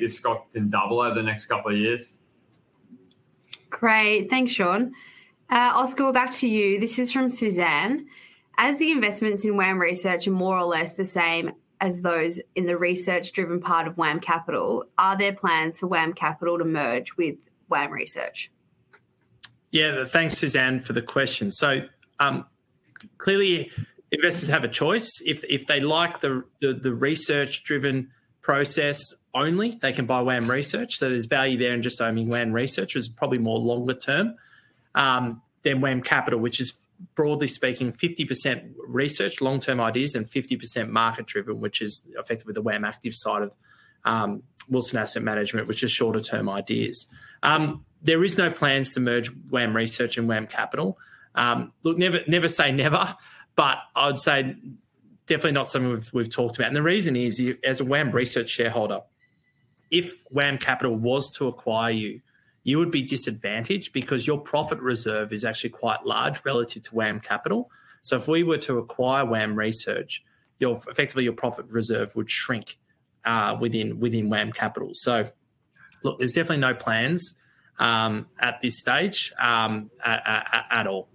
this stock can double over the next couple of years. Great. Thanks, Shaun. Oscar, back to you. This is from Suzanne. As the investments in WAM Research are more or less the same as those in the research-driven part of WAM Capital, are there plans for WAM Capital to merge with WAM Research? Yeah, thanks, Suzanne, for the question. Clearly, investors have a choice. If they like the research-driven process only, they can buy WAM Research. There's value there in just owning WAM Research, which is probably more longer term than WAM Capital, which is, broadly speaking, 50% research, long-term ideas, and 50% market-driven, which is effectively the WAM Active side of Wilson Asset Management, which is shorter-term ideas. There is no plans to merge WAM Research and WAM Capital. Look, never say never, but I would say definitely not something we've talked about. The reason is, you as a WAM Research shareholder, if WAM Capital was to acquire you, you would be disadvantaged because your profit reserve is actually quite large relative to WAM Capital. So if we were to acquire WAM Research, your—effectively, your profit reserve would shrink within WAM Capital. So look, there's definitely no plans at this stage at all.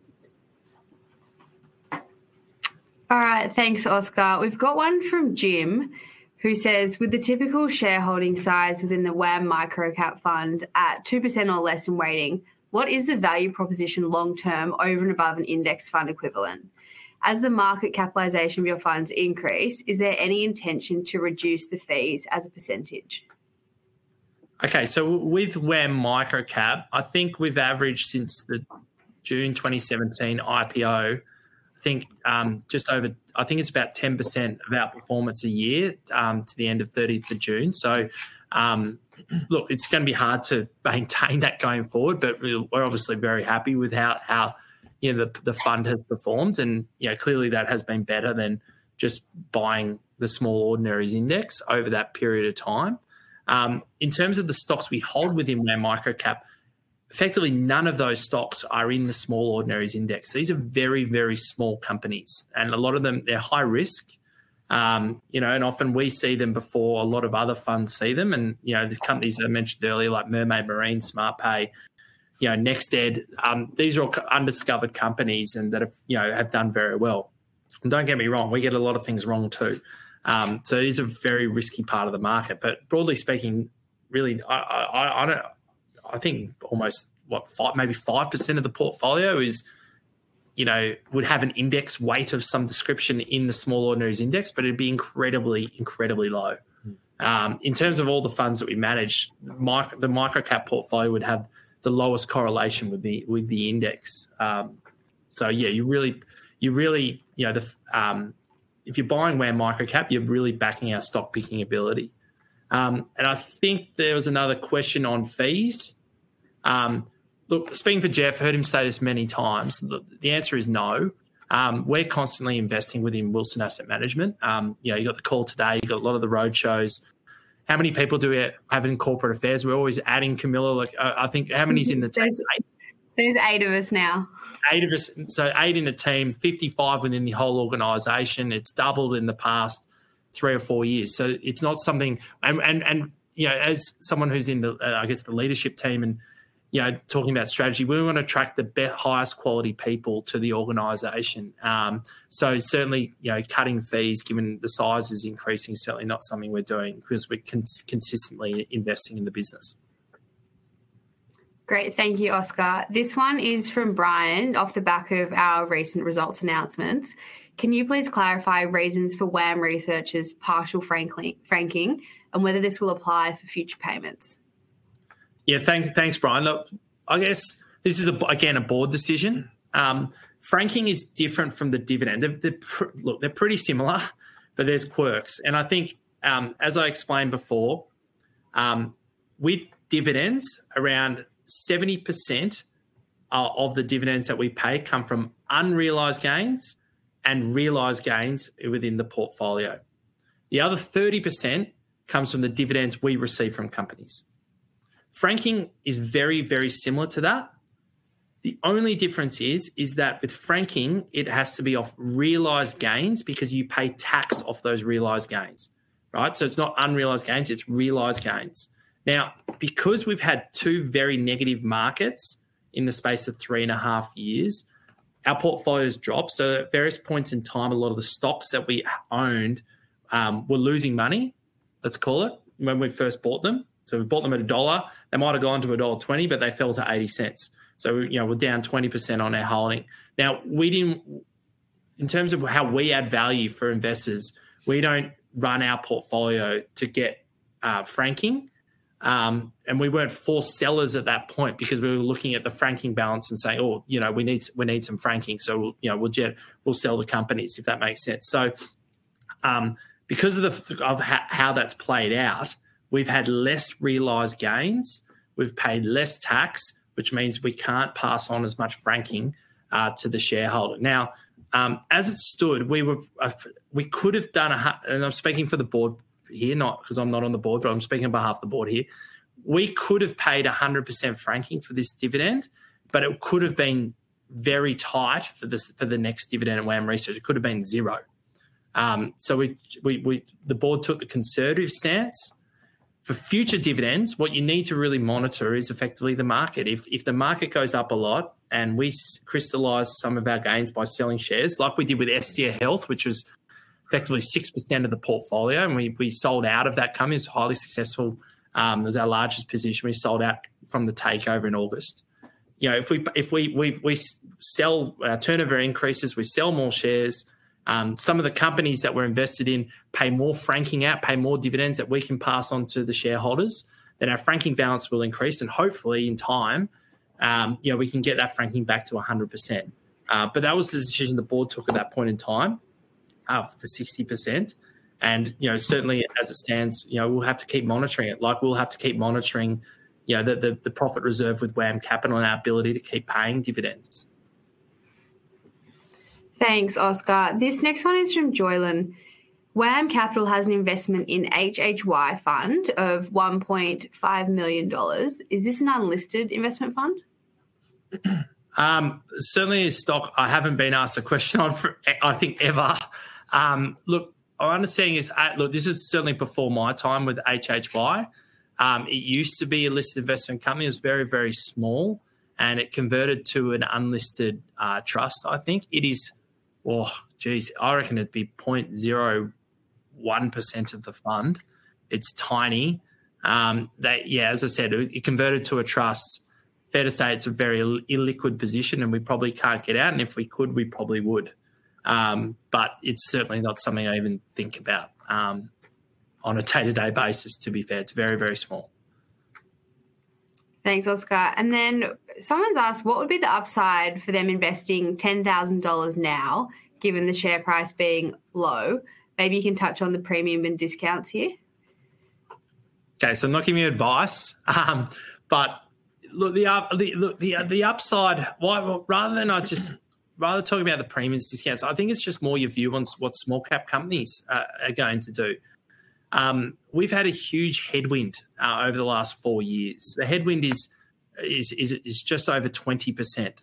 All right, thanks, Oscar. We've got one from Jim, who says: With the typical shareholding size within the WAM Microcap Fund at 2% or less in weighting, what is the value proposition long term over and above an index fund equivalent? As the market capitalization of your funds increase, is there any intention to reduce the fees as a percentage? Okay, so with WAM Microcap, I think we've averaged since the June 2017 IPO, I think, just over... I think it's about 10% of our performance a year, to the end of thirtieth of June. So, look, it's gonna be hard to maintain that going forward, but we, we're obviously very happy with how, you know, the fund has performed. And, you know, clearly that has been better than just buying the Small Ordinaries Index over that period of time. In terms of the stocks we hold within our Microcap, effectively, none of those stocks are in the Small Ordinaries Index. These are very, very small companies, and a lot of them, they're high risk. You know, and often we see them before a lot of other funds see them, and, you know, the companies that I mentioned earlier, like Mermaid Marine, Smartpay, you know, NextEd, these are all undiscovered companies and that have, you know, have done very well. Don't get me wrong, we get a lot of things wrong, too. So it is a very risky part of the market. But broadly speaking, really, I don't... I think almost, what, 5, maybe 5% of the portfolio is, you know, would have an index weight of some description in the Small Ordinaries Index, but it'd be incredibly, incredibly low. In terms of all the funds that we manage, the Micro-Cap portfolio would have the lowest correlation with the index. So yeah, you really, you really, you know, the, if you're buying WAM Micro-Cap, you're really backing our stock-picking ability. And I think there was another question on fees. Look, speaking for Geoff, I heard him say this many times, the, the answer is no. We're constantly investing within Wilson Asset Management. You know, you got the call today, you got a lot of the road shows. How many people do we have in corporate affairs? We're always adding, Camilla. Like, I think, how many is in the team? There's eight of us now. 8 of us. So 8 in the team, 55 within the whole organization. It's doubled in the past 3 or 4 years, so it's not something... And, you know, as someone who's in the, I guess, the leadership team and, you know, talking about strategy, we wanna attract the highest quality people to the organization. So certainly, you know, cutting fees, given the size is increasing, is certainly not something we're doing because we're consistently investing in the business. Great. Thank you, Oscar. This one is from Brian, off the back of our recent results announcement. Can you please clarify reasons for WAM Research's partial franking, franking, and whether this will apply for future payments? Yeah, thanks, thanks, Brian. Look, I guess this is again a board decision. Franking is different from the dividend. Look, they're pretty similar, but there's quirks. And I think, as I explained before, with dividends, around 70% of the dividends that we pay come from unrealized gains and realized gains within the portfolio. The other 30% comes from the dividends we receive from companies. Franking is very, very similar to that. The only difference is that with franking, it has to be off realized gains because you pay tax off those realized gains, right? So it's not unrealized gains, it's realized gains. Now, because we've had two very negative markets in the space of three and a half years, our portfolios dropped. So at various points in time, a lot of the stocks that we owned were losing money, let's call it, when we first bought them. So we bought them at AUD 1. They might have gone to dollar 1.20, but they fell to 0.80. So, you know, we're down 20% on our holding. Now, we didn't. In terms of how we add value for investors, we don't run our portfolio to get franking, and we weren't forced sellers at that point because we were looking at the franking balance and say, "Oh, you know, we need, we need some franking, so, you know, we'll just, we'll sell the companies," if that makes sense. Because of how that's played out, we've had less realized gains, we've paid less tax, which means we can't pass on as much franking to the shareholder. Now, as it stood, we could have done a hundred – and I'm speaking for the board here, not 'cause I'm not on the board, but I'm speaking on behalf of the board here. We could have paid 100% franking for this dividend, but it could have been very tight for the next dividend at WAM Research. It could have been zero. So the board took the conservative stance. For future dividends, what you need to really monitor is effectively the market. If the market goes up a lot and we crystallize some of our gains by selling shares, like we did with Estia Health, which was effectively 6% of the portfolio, and we sold out of that company. It's highly successful, it was our largest position. We sold out from the takeover in August. You know, if we sell, turnover increases, we sell more shares, some of the companies that we're invested in pay more franking out, pay more dividends that we can pass on to the shareholders, then our franking balance will increase, and hopefully, in time, you know, we can get that franking back to 100%. But that was the decision the board took at that point in time, for 60%, and, you know, certainly as it stands, you know, we'll have to keep monitoring it, like we'll have to keep monitoring, you know, the profit reserve with WAM Capital and our ability to keep paying dividends. Thanks, Oscar. This next one is from Joylan. "WAM Capital has an investment in HHY Fund of 1.5 million dollars. Is this an unlisted investment fund? Certainly a stock I haven't been asked a question on for, I think, ever. Look, our understanding is at... Look, this is certainly before my time with HHY. It used to be a listed investment company. It was very, very small, and it converted to an unlisted trust, I think. It is, oh, geez, I reckon it'd be 0.01% of the fund. It's tiny. That, yeah, as I said, it converted to a trust. Fair to say, it's a very illiquid position, and we probably can't get out, and if we could, we probably would. But it's certainly not something I even think about on a day-to-day basis, to be fair. It's very, very small. Thanks, Oscar. And then someone's asked, what would be the upside for them investing 10,000 dollars now, given the share price being low? Maybe you can touch on the premium and discounts here. Okay, so I'm not giving you advice, but the upside, well, rather than talking about the premiums, discounts, I think it's just more your view on what small cap companies are going to do. We've had a huge headwind over the last four years. The headwind is just over 20%,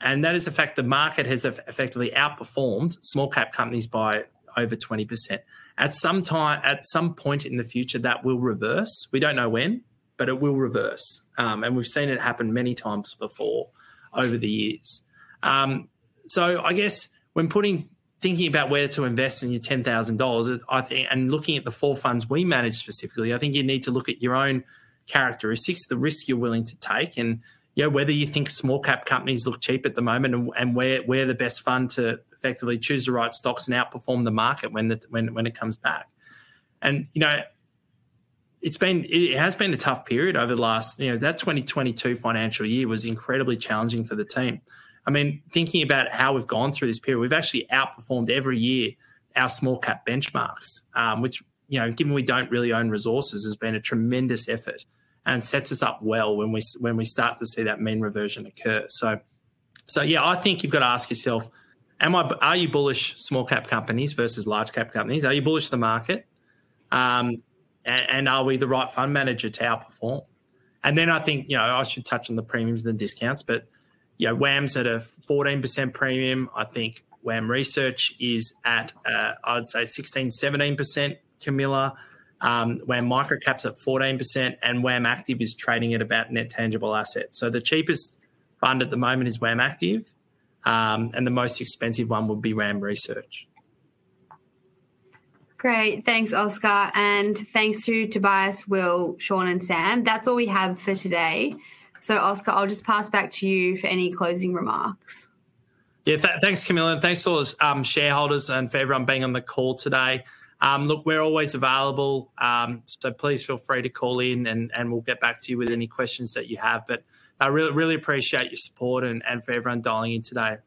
and that is the fact the market has effectively outperformed small cap companies by over 20%. At some time, at some point in the future, that will reverse. We don't know when, but it will reverse, and we've seen it happen many times before over the years. So I guess when thinking about where to invest your 10,000 dollars, I think, and looking at the four funds we manage specifically, I think you need to look at your own characteristics, the risk you're willing to take, and, you know, whether you think small cap companies look cheap at the moment and we're the best fund to effectively choose the right stocks and outperform the market when it comes back. And, you know, it has been a tough period over the last, you know, that 2022 financial year was incredibly challenging for the team. I mean, thinking about how we've gone through this period, we've actually outperformed every year our small cap benchmarks, which, you know, given we don't really own resources, has been a tremendous effort and sets us up well when we start to see that mean reversion occur. So yeah, I think you've got to ask yourself, am I, are you bullish small cap companies versus large cap companies? Are you bullish to the market? And are we the right fund manager to outperform? And then I think, you know, I should touch on the premiums and the discounts, but, you know, WAM's at a 14% premium. I think WAM Research is at, I'd say 16%-17%, Camilla. WAM Microcap's at 14%, and WAM Active is trading at about net tangible assets. The cheapest fund at the moment is WAM Active, and the most expensive one would be WAM Research. Great. Thanks, Oscar, and thanks to Tobias, Will, Shaun, and Sam. That's all we have for today. So, Oscar, I'll just pass back to you for any closing remarks. Yeah, thanks, Camilla, and thanks to all those shareholders and for everyone being on the call today. Look, we're always available, so please feel free to call in, and we'll get back to you with any questions that you have. But I really, really appreciate your support and for everyone dialing in today.